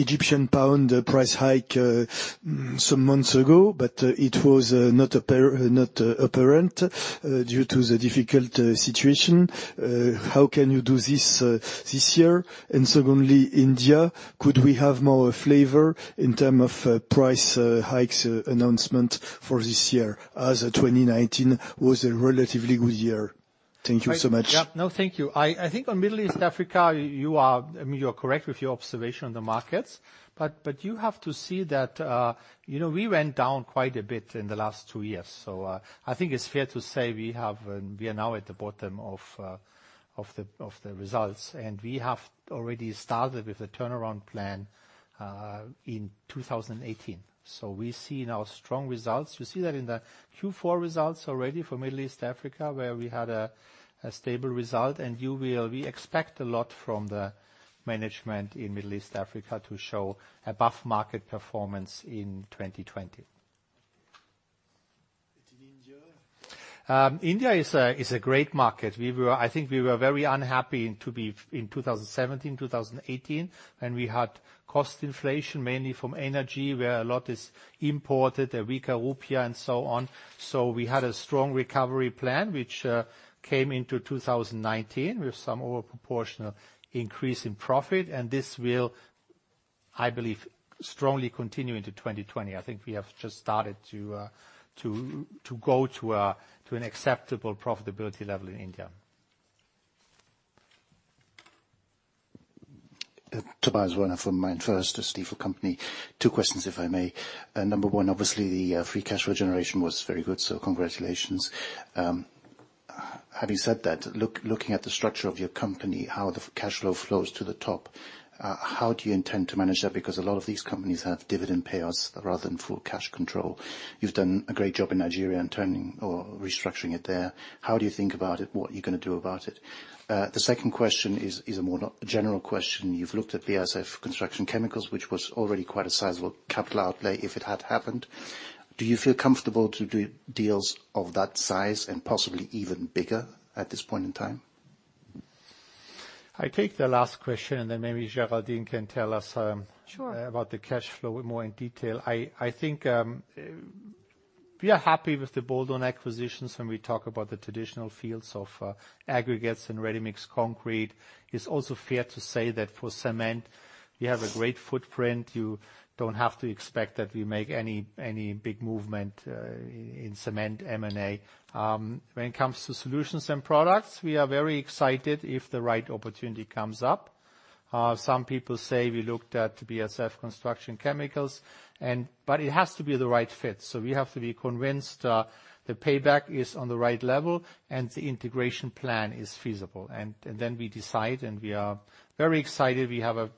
Egyptian pound price hike some months ago, but it was not apparent due to the difficult situation. How can you do this year? Secondly, India, could we have more flavor in terms of price hikes announcement for this year, as 2019 was a relatively good year. Thank you so much.
Yeah. No, thank you. I think on Middle East Africa, you are correct with your observation on the markets. You have to see that we went down quite a bit in the last two years. I think it's fair to say we are now at the bottom of the results. We have already started with the turnaround plan in 2018. We see now strong results. We see that in the Q4 results already for Middle East Africa, where we had a stable result. We expect a lot from the management in Middle East Africa to show above-market performance in 2020. India is a great market. I think we were very unhappy to be in 2017, 2018, when we had cost inflation, mainly from energy, where a lot is imported, the weaker rupee and so on. We had a strong recovery plan, which came into 2019, with some overproportional increase in profit. This will, I believe, strongly continue into 2020. I think we have just started to go to an acceptable profitability level in India.
Tobias Woerner from Mainfirst, a Stifel company. Two questions, if I may. Number one, obviously the free cash flow generation was very good, so congratulations. Having said that, looking at the structure of your company, how the cash flow flows to the top, how do you intend to manage that? Because a lot of these companies have dividend payouts rather than full cash control. You've done a great job in Nigeria in turning or restructuring it there. How do you think about it? What are you going to do about it? The second question is a more general question. You've looked at BASF Construction Chemicals, which was already quite a sizable capital outlay if it had happened. Do you feel comfortable to do deals of that size and possibly even bigger at this point in time?
I take the last question, and then maybe Géraldine can tell us.
Sure
About the cash flow more in detail. I think we are happy with the bolt-on acquisitions when we talk about the traditional fields of aggregates and ready-mix concrete. It's also fair to say that for cement, we have a great footprint. You don't have to expect that we make any big movement in cement M&A. When it comes to solutions and products, we are very excited if the right opportunity comes up. Some people say we looked at BASF Construction Chemicals, but it has to be the right fit. We have to be convinced the payback is on the right level and the integration plan is feasible. Then we decide, and we are very excited. We have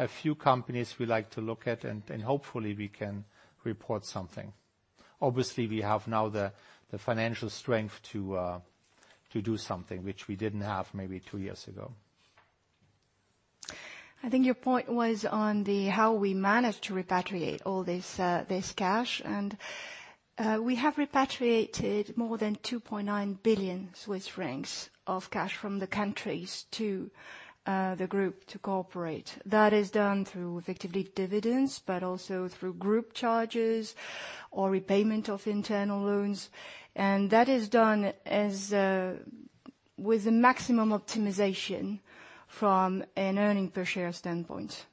a few companies we like to look at, and hopefully we can report something. Obviously, we have now the financial strength to do something which we didn't have maybe two years ago.
I think your point was on how we managed to repatriate all this cash. We have repatriated more than 2.9 billion Swiss francs of cash from the countries to the group to corporate. That is done through effectively dividends, also through group charges or repayment of internal loans. That is done with a maximum optimization from an earning per share standpoint.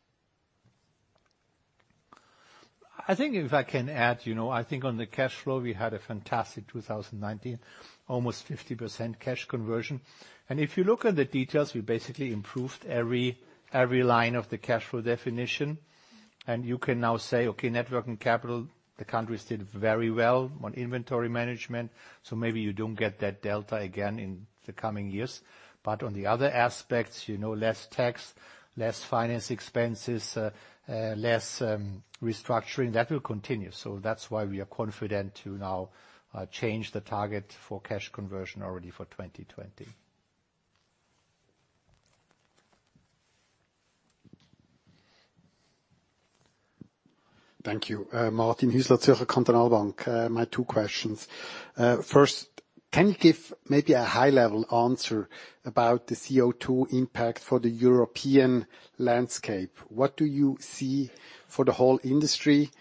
I think if I can add, I think on the cash flow, we had a fantastic 2019, almost 50% cash conversion. If you look at the details, we basically improved every line of the cash flow definition. You can now say, okay, networking capital, the countries did very well on inventory management, maybe you don't get that delta again in the coming years. On the other aspects, less tax, less finance expenses, less restructuring, that will continue. That's why we are confident to now change the target for cash conversion already for 2020.
Thank you. Martin Hüsler, Zürcher Kantonalbank. My two questions. First, can you give maybe a high-level answer about the CO2 impact for the European landscape? What do you see for the whole industry,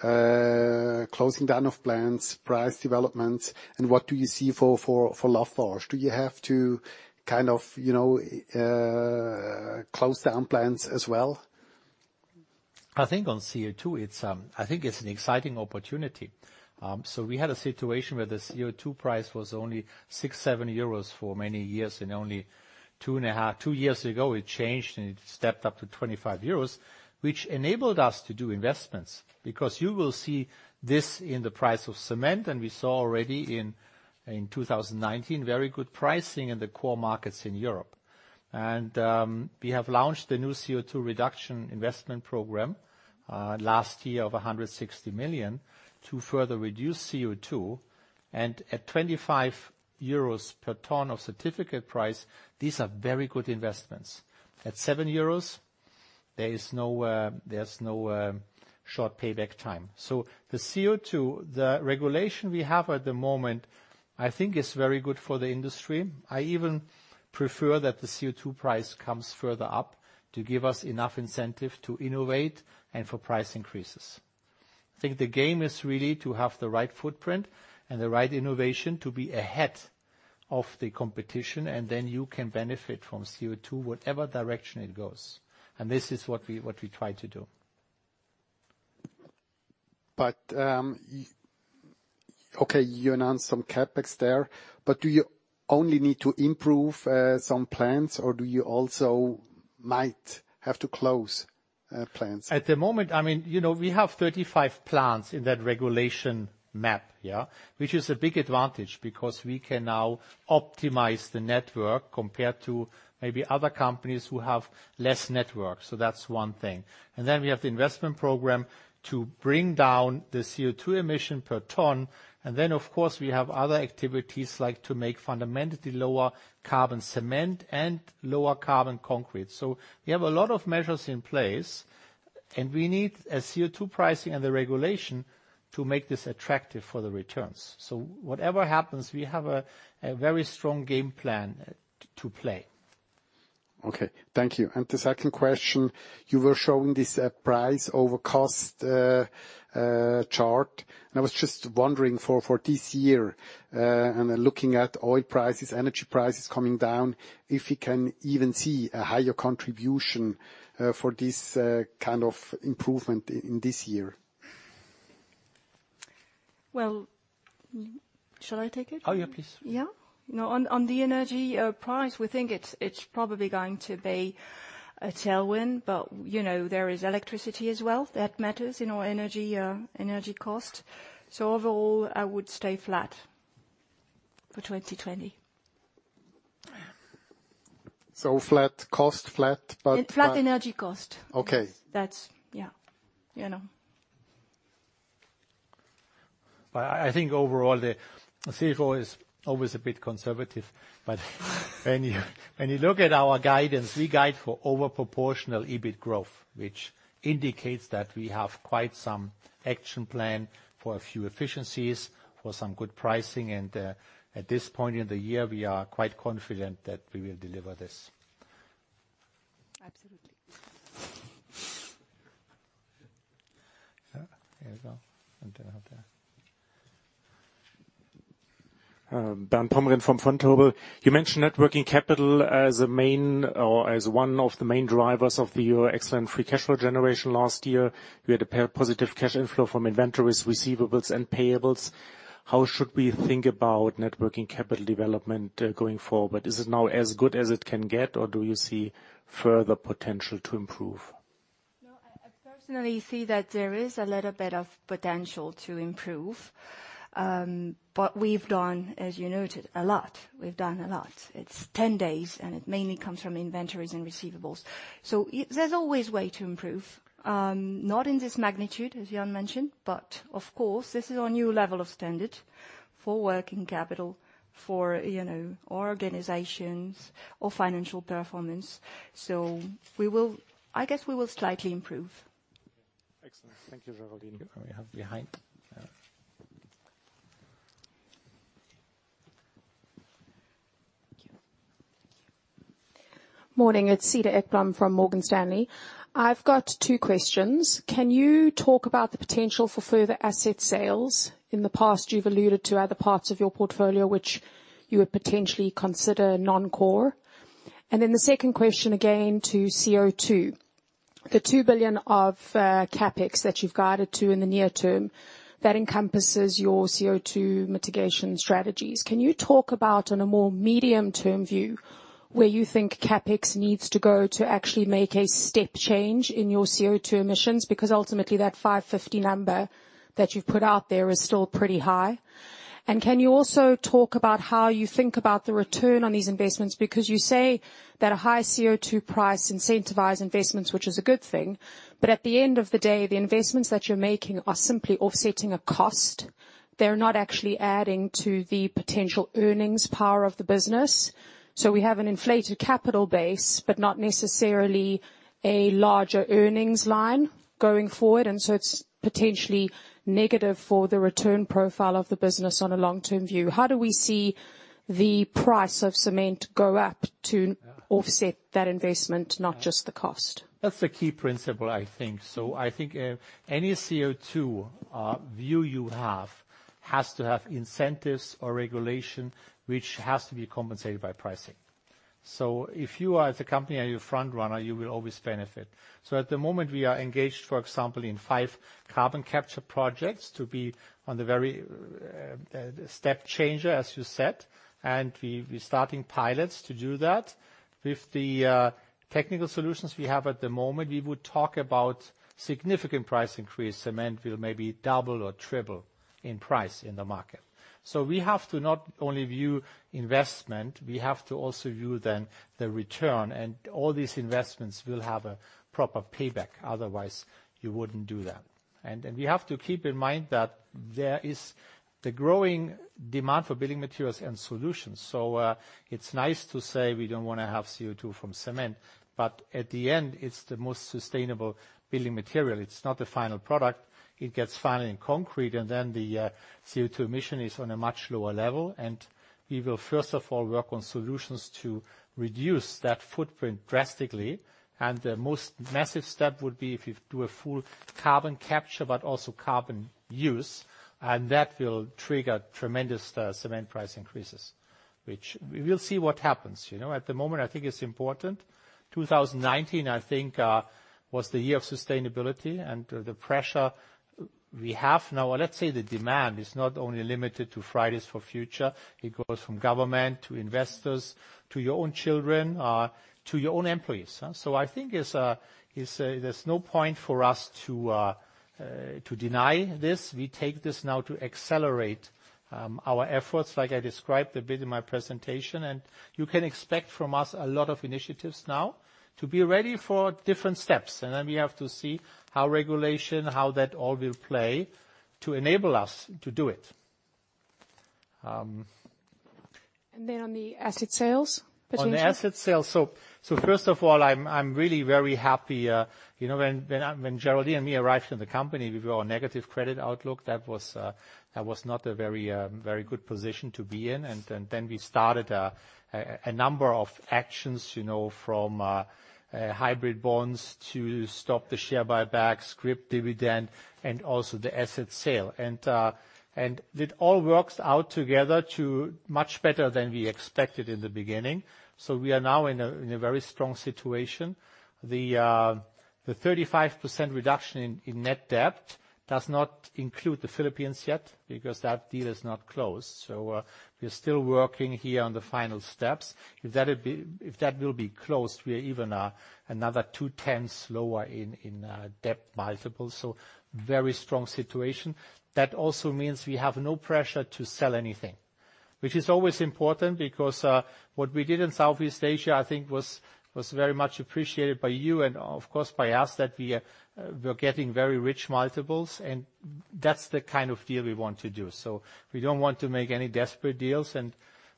closing down of plants, price developments, and what do you see for Lafarge? Do you have to close down plants as well?
On CO2, it's an exciting opportunity. We had a situation where the CO2 price was only six, seven EUR for many years, only two years ago it changed, it stepped up to 25 euros, which enabled us to do investments. You will see this in the price of cement, we saw already in 2019, very good pricing in the core markets in Europe. We have launched the new CO2 reduction investment program last year of 160 million to further reduce CO2. At 25 euros per ton of certificate price, these are very good investments. At seven EUR, there's no short payback time. The CO2, the regulation we have at the moment, is very good for the industry. I even prefer that the CO2 price comes further up to give us enough incentive to innovate and for price increases. I think the game is really to have the right footprint and the right innovation to be ahead of the competition, then you can benefit from CO2, whatever direction it goes. This is what we try to do.
Okay, you announced some CapEx there, but do you only need to improve some plants, or do you also might have to close plants?
At the moment, we have 35 plants in that regulation map, which is a big advantage because we can now optimize the network compared to maybe other companies who have less network. That's one thing. We have the investment program to bring down the CO2 emission per ton. Of course, we have other activities like to make fundamentally lower carbon cement and lower carbon concrete. We have a lot of measures in place. We need a CO2 pricing and the regulation to make this attractive for the returns. Whatever happens, we have a very strong game plan to play.
Okay, thank you. The second question, you were showing this price over cost chart, and I was just wondering for this year, and then looking at oil prices, energy prices coming down, if we can even see a higher contribution for this kind of improvement in this year?
Well, shall I take it?
Oh, yeah, please.
Yeah. On the energy price, we think it's probably going to be a tailwind, but there is electricity as well that matters in our energy cost. Overall, I would stay flat for 2020.
Flat cost flat.
Flat energy cost.
Okay.
That's, yeah.
I think overall, the CFO is always a bit conservative, but when you look at our guidance, we guide for over proportional EBIT growth, which indicates that we have quite some action plan for a few efficiencies, for some good pricing, and at this point in the year, we are quite confident that we will deliver this.
Absolutely.
There you go. Then out there.
Bernd Pomrehn from Vontobel. You mentioned net working capital as a main, or as one of the main drivers of your excellent free cash flow generation last year. You had a positive cash inflow from inventories, receivables, and payables. How should we think about net working capital development going forward? Is it now as good as it can get, or do you see further potential to improve?
I personally see that there is a little bit of potential to improve. We've done, as you noted, a lot. We've done a lot. It's 10 days, and it mainly comes from inventories and receivables. There's always way to improve. Not in this magnitude, as Jan mentioned, but of course, this is our new level of standard for working capital, for our organizations, our financial performance. I guess we will slightly improve.
Excellent. Thank you, Géraldine.
We have behind.
Thank you. Morning, it is Cedar Ekblom from Morgan Stanley. I have got two questions. Can you talk about the potential for further asset sales? In the past, you have alluded to other parts of your portfolio which you would potentially consider non-core. The second question again to CO2. The CHF 2 billion of CapEx that you have guided to in the near term, that encompasses your CO2 mitigation strategies. Can you talk about on a more medium-term view, where you think CapEx needs to go to actually make a step change in your CO2 emissions, because ultimately that 550 number that you have put out there is still pretty high. Can you also talk about how you think about the return on these investments, because you say that a high CO2 price incentivize investments, which is a good thing, but at the end of the day, the investments that you're making are simply offsetting a cost. They're not actually adding to the potential earnings power of the business. We have an inflated capital base, but not necessarily a larger earnings line going forward, and so it's potentially negative for the return profile of the business on a long-term view. How do we see the price of cement go up to offset that investment, not just the cost?
That's the key principle, I think. I think any CO2 view you have has to have incentives or regulation, which has to be compensated by pricing. If you are, as a company, are you a front runner, you will always benefit. At the moment, we are engaged, for example, in five carbon capture projects to be on the very step changer, as you said. We're starting pilots to do that. With the technical solutions we have at the moment, we would talk about significant price increase. Cement will maybe double or triple in price in the market. We have to not only view investment, we have to also view then the return, and all these investments will have a proper payback. Otherwise, you wouldn't do that. We have to keep in mind that there is the growing demand for building materials and solutions. It's nice to say we don't want to have CO2 from cement, but at the end, it's the most sustainable building material. It's not the final product. It gets final in concrete, and then the CO2 emission is on a much lower level, and we will first of all work on solutions to reduce that footprint drastically. The most massive step would be if you do a full carbon capture, but also carbon use, and that will trigger tremendous cement price increases. We will see what happens. At the moment, I think it's important. 2019, I think, was the year of sustainability, and the pressure we have now, let's say the demand is not only limited to Fridays for Future. It goes from government to investors to your own children, to your own employees. I think there's no point for us to deny this. We take this now to accelerate our efforts, like I described a bit in my presentation. You can expect from us a lot of initiatives now to be ready for different steps. We have to see how regulation, how that all will play to enable us to do it.
On the asset sales potential?
On the asset sales. First of all, I'm really very happy. When Géraldine and me arrived in the company, we were a negative credit outlook. That was not a very good position to be in. Then we started a number of actions from hybrid bonds to stop the share buybacks, scrip dividend, and also the asset sale. It all works out together to much better than we expected in the beginning. We are now in a very strong situation. The 35% reduction in net debt does not include the Philippines yet because that deal is not closed, so we're still working here on the final steps. If that will be closed, we are even another two-tenths lower in debt multiples. Very strong situation. That also means we have no pressure to sell anything, which is always important because what we did in Southeast Asia, I think was very much appreciated by you and, of course, by us that we're getting very rich multiples, and that's the kind of deal we want to do. We don't want to make any desperate deals, and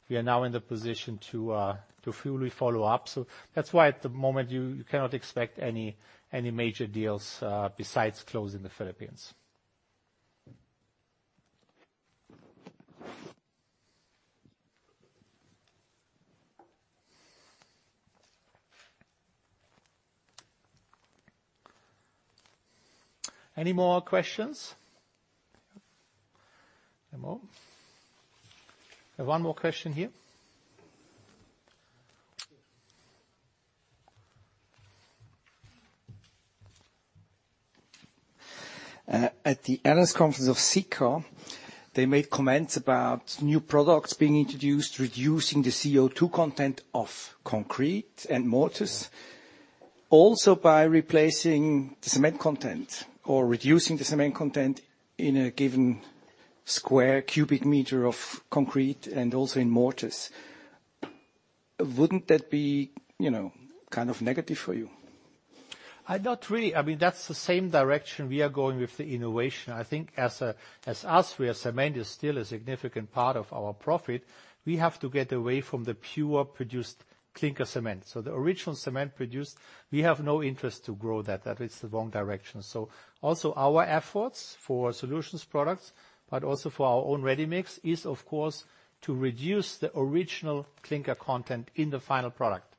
we are now in the position to fully follow up. That's why, at the moment, you cannot expect any major deals besides closing the Philippines. Any more questions? No more? I have one more question here.
At the analyst conference of Sika, they made comments about new products being introduced, reducing the CO2 content of concrete and mortars. Also by replacing the cement content or reducing the cement content in a given square cubic meter of concrete and also in mortars. Wouldn't that be negative for you?
Not really. That's the same direction we are going with the innovation. I think as us, cement is still a significant part of our profit. We have to get away from the pure produced clinker cement. The original cement produced, we have no interest to grow that. That is the wrong direction. Also our efforts for solutions products, but also for our own ready mix, is, of course, to reduce the original clinker content in the final product.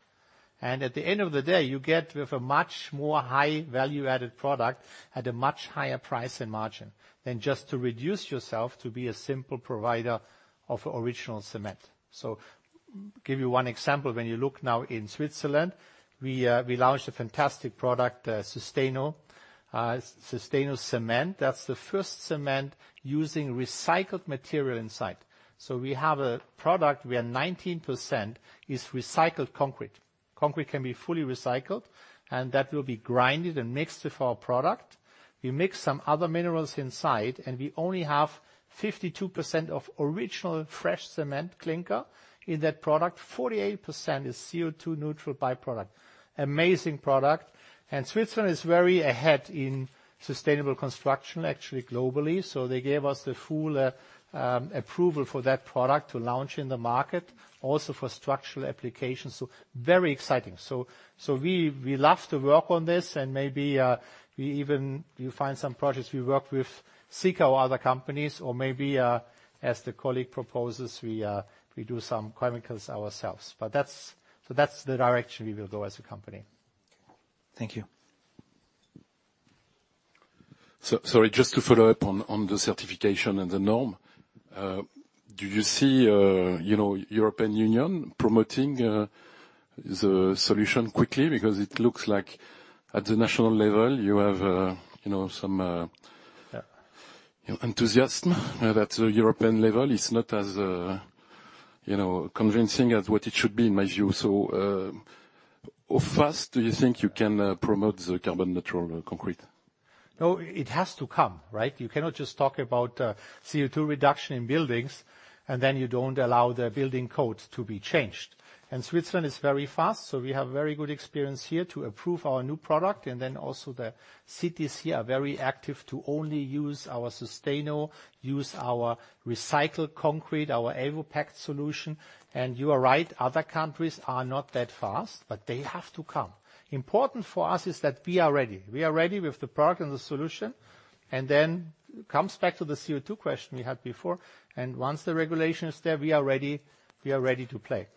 And at the end of the day, you get with a much more high value-added product at a much higher price and margin than just to reduce yourself to be a simple provider of original cement. Give you one example. When you look now in Switzerland, we launched a fantastic product, Susteno Cement. That's the first cement using recycled material inside. We have a product where 19% is recycled concrete. Concrete can be fully recycled, that will be grinded and mixed with our product. We mix some other minerals inside, we only have 52% of original fresh cement clinker in that product. 48% is CO2 neutral byproduct. Amazing product. Switzerland is very ahead in sustainable construction, actually globally, they gave us the full approval for that product to launch in the market, also for structural applications. Very exciting. We love to work on this and maybe we even find some projects we work with Sika or other companies, or maybe, as the colleague proposes, we do some chemicals ourselves. That's the direction we will go as a company.
Thank you.
Sorry, just to follow up on the certification and the norm. Do you see European Union promoting the solution quickly? It looks like at the national level you have some enthusiasm. At the European level, it's not as convincing as what it should be, in my view. How fast do you think you can promote the carbon neutral concrete?
No, it has to come, right? You cannot just talk about CO2 reduction in buildings, and then you don't allow the building codes to be changed. Switzerland is very fast, so we have very good experience here to approve our new product. Then also the cities here are very active to only use our Susteno, use our recycled concrete, our ECOPact solution. You are right, other countries are not that fast, but they have to come. Important for us is that we are ready. We are ready with the product and the solution, and then comes back to the CO2 question we had before. Once the regulation is there, we are ready to play.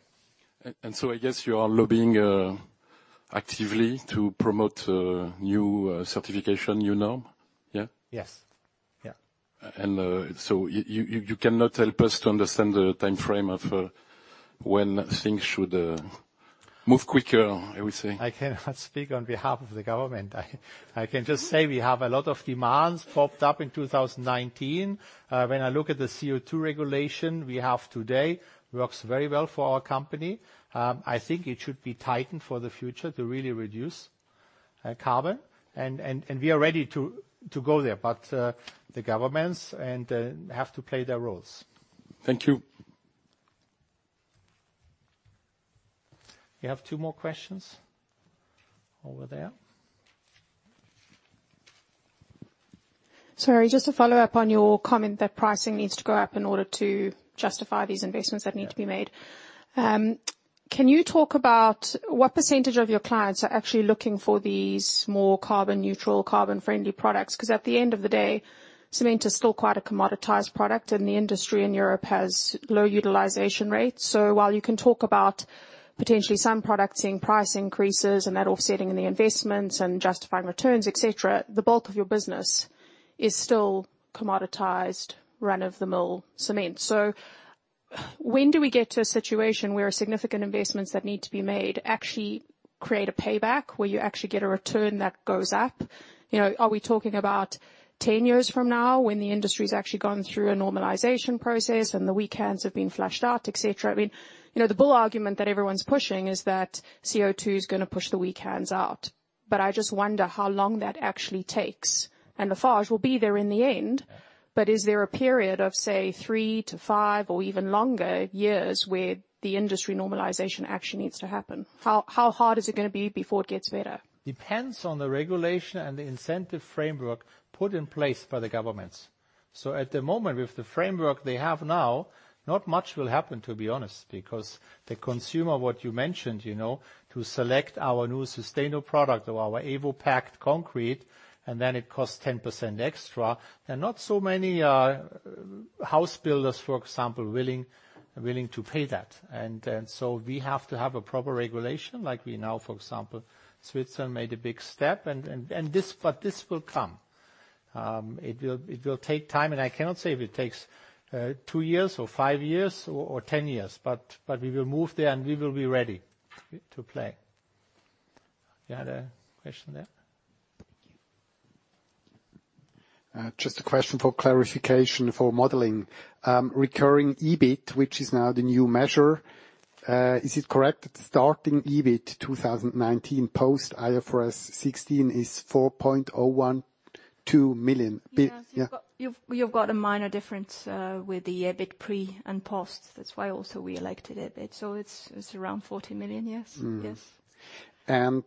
I guess you are lobbying actively to promote a new certification, new norm, yeah?
Yes. Yeah.
You cannot help us to understand the timeframe of when things should move quicker, I would say.
I cannot speak on behalf of the government. I can just say we have a lot of demands popped up in 2019. When I look at the CO2 regulation we have today, works very well for our company. I think it should be tightened for the future to really reduce carbon, and we are ready to go there, but the governments have to play their roles.
Thank you.
You have two more questions over there.
Sorry, just to follow up on your comment that pricing needs to go up in order to justify these investments that need to be made. Can you talk about what % of your clients are actually looking for these more carbon neutral, carbon friendly products? At the end of the day, cement is still quite a commoditized product, and the industry in Europe has low utilization rates. While you can talk about potentially some products seeing price increases and that offsetting the investments and justifying returns, et cetera, the bulk of your business is still commoditized run-of-the-mill cement. When do we get to a situation where significant investments that need to be made actually create a payback where you actually get a return that goes up? Are we talking about 10 years from now when the industry's actually gone through a normalization process and the weak hands have been flushed out, et cetera? The bull argument that everyone's pushing is that CO2 is going to push the weak hands out. I just wonder how long that actually takes. Lafarge will be there in the end. Is there a period of, say, three to five or even longer years where the industry normalization actually needs to happen? How hard is it going to be before it gets better?
Depends on the regulation and the incentive framework put in place by the governments. At the moment, with the framework they have now, not much will happen, to be honest, because the consumer, what you mentioned, to select our new Susteno product or our ECOPact concrete, and then it costs 10% extra. There are not so many house builders, for example, willing to pay that. We have to have a proper regulation. Like we now, for example, Switzerland made a big step. This will come. It will take time, and I cannot say if it takes two years or five years or 10 years, but we will move there, and we will be ready to play. You had a question there?
Thank you. Just a question for clarification for modeling. Recurring EBIT, which is now the new measure, is it correct that starting EBIT 2019 post-IFRS 16 is 4.012 million?
Yes.
Yeah.
You've got a minor difference with the EBIT pre and post. That's why also we elected EBIT. It's around 40 million, yes. Yes.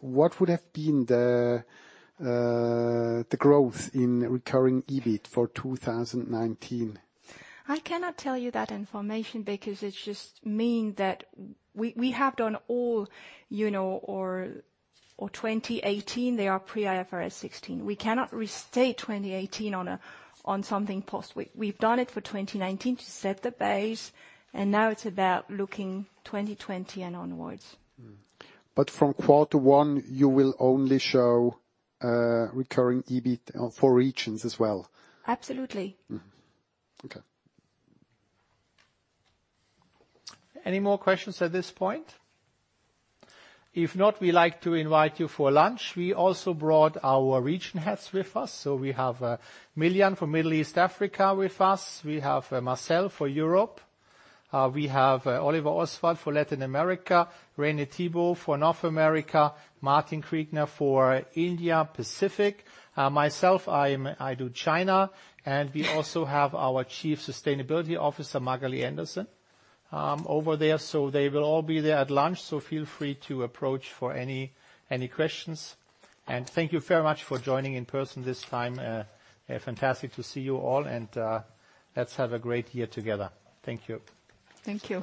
What would have been the growth in recurring EBIT for 2019?
I cannot tell you that information because it's just mean that we have done or 2018, they are pre-IFRS 16. We cannot restate 2018 on something post. We've done it for 2019 to set the base, and now it's about looking 2020 and onwards.
From quarter one, you will only show recurring EBIT for regions as well?
Absolutely.
Okay.
Any more questions at this point? If not, we like to invite you for lunch. We also brought our region heads with us. We have Miljan from Middle East Africa with us. We have Marcel for Europe. We have Oliver Osswald for Latin America, René Thibault for North America, Martin Kriegner for India, Pacific. Myself, I do China, and we also have our Chief Sustainability Officer, Magali Anderson, over there. They will all be there at lunch, so feel free to approach for any questions. Thank you very much for joining in person this time. Fantastic to see you all, and let's have a great year together. Thank you.
Thank you.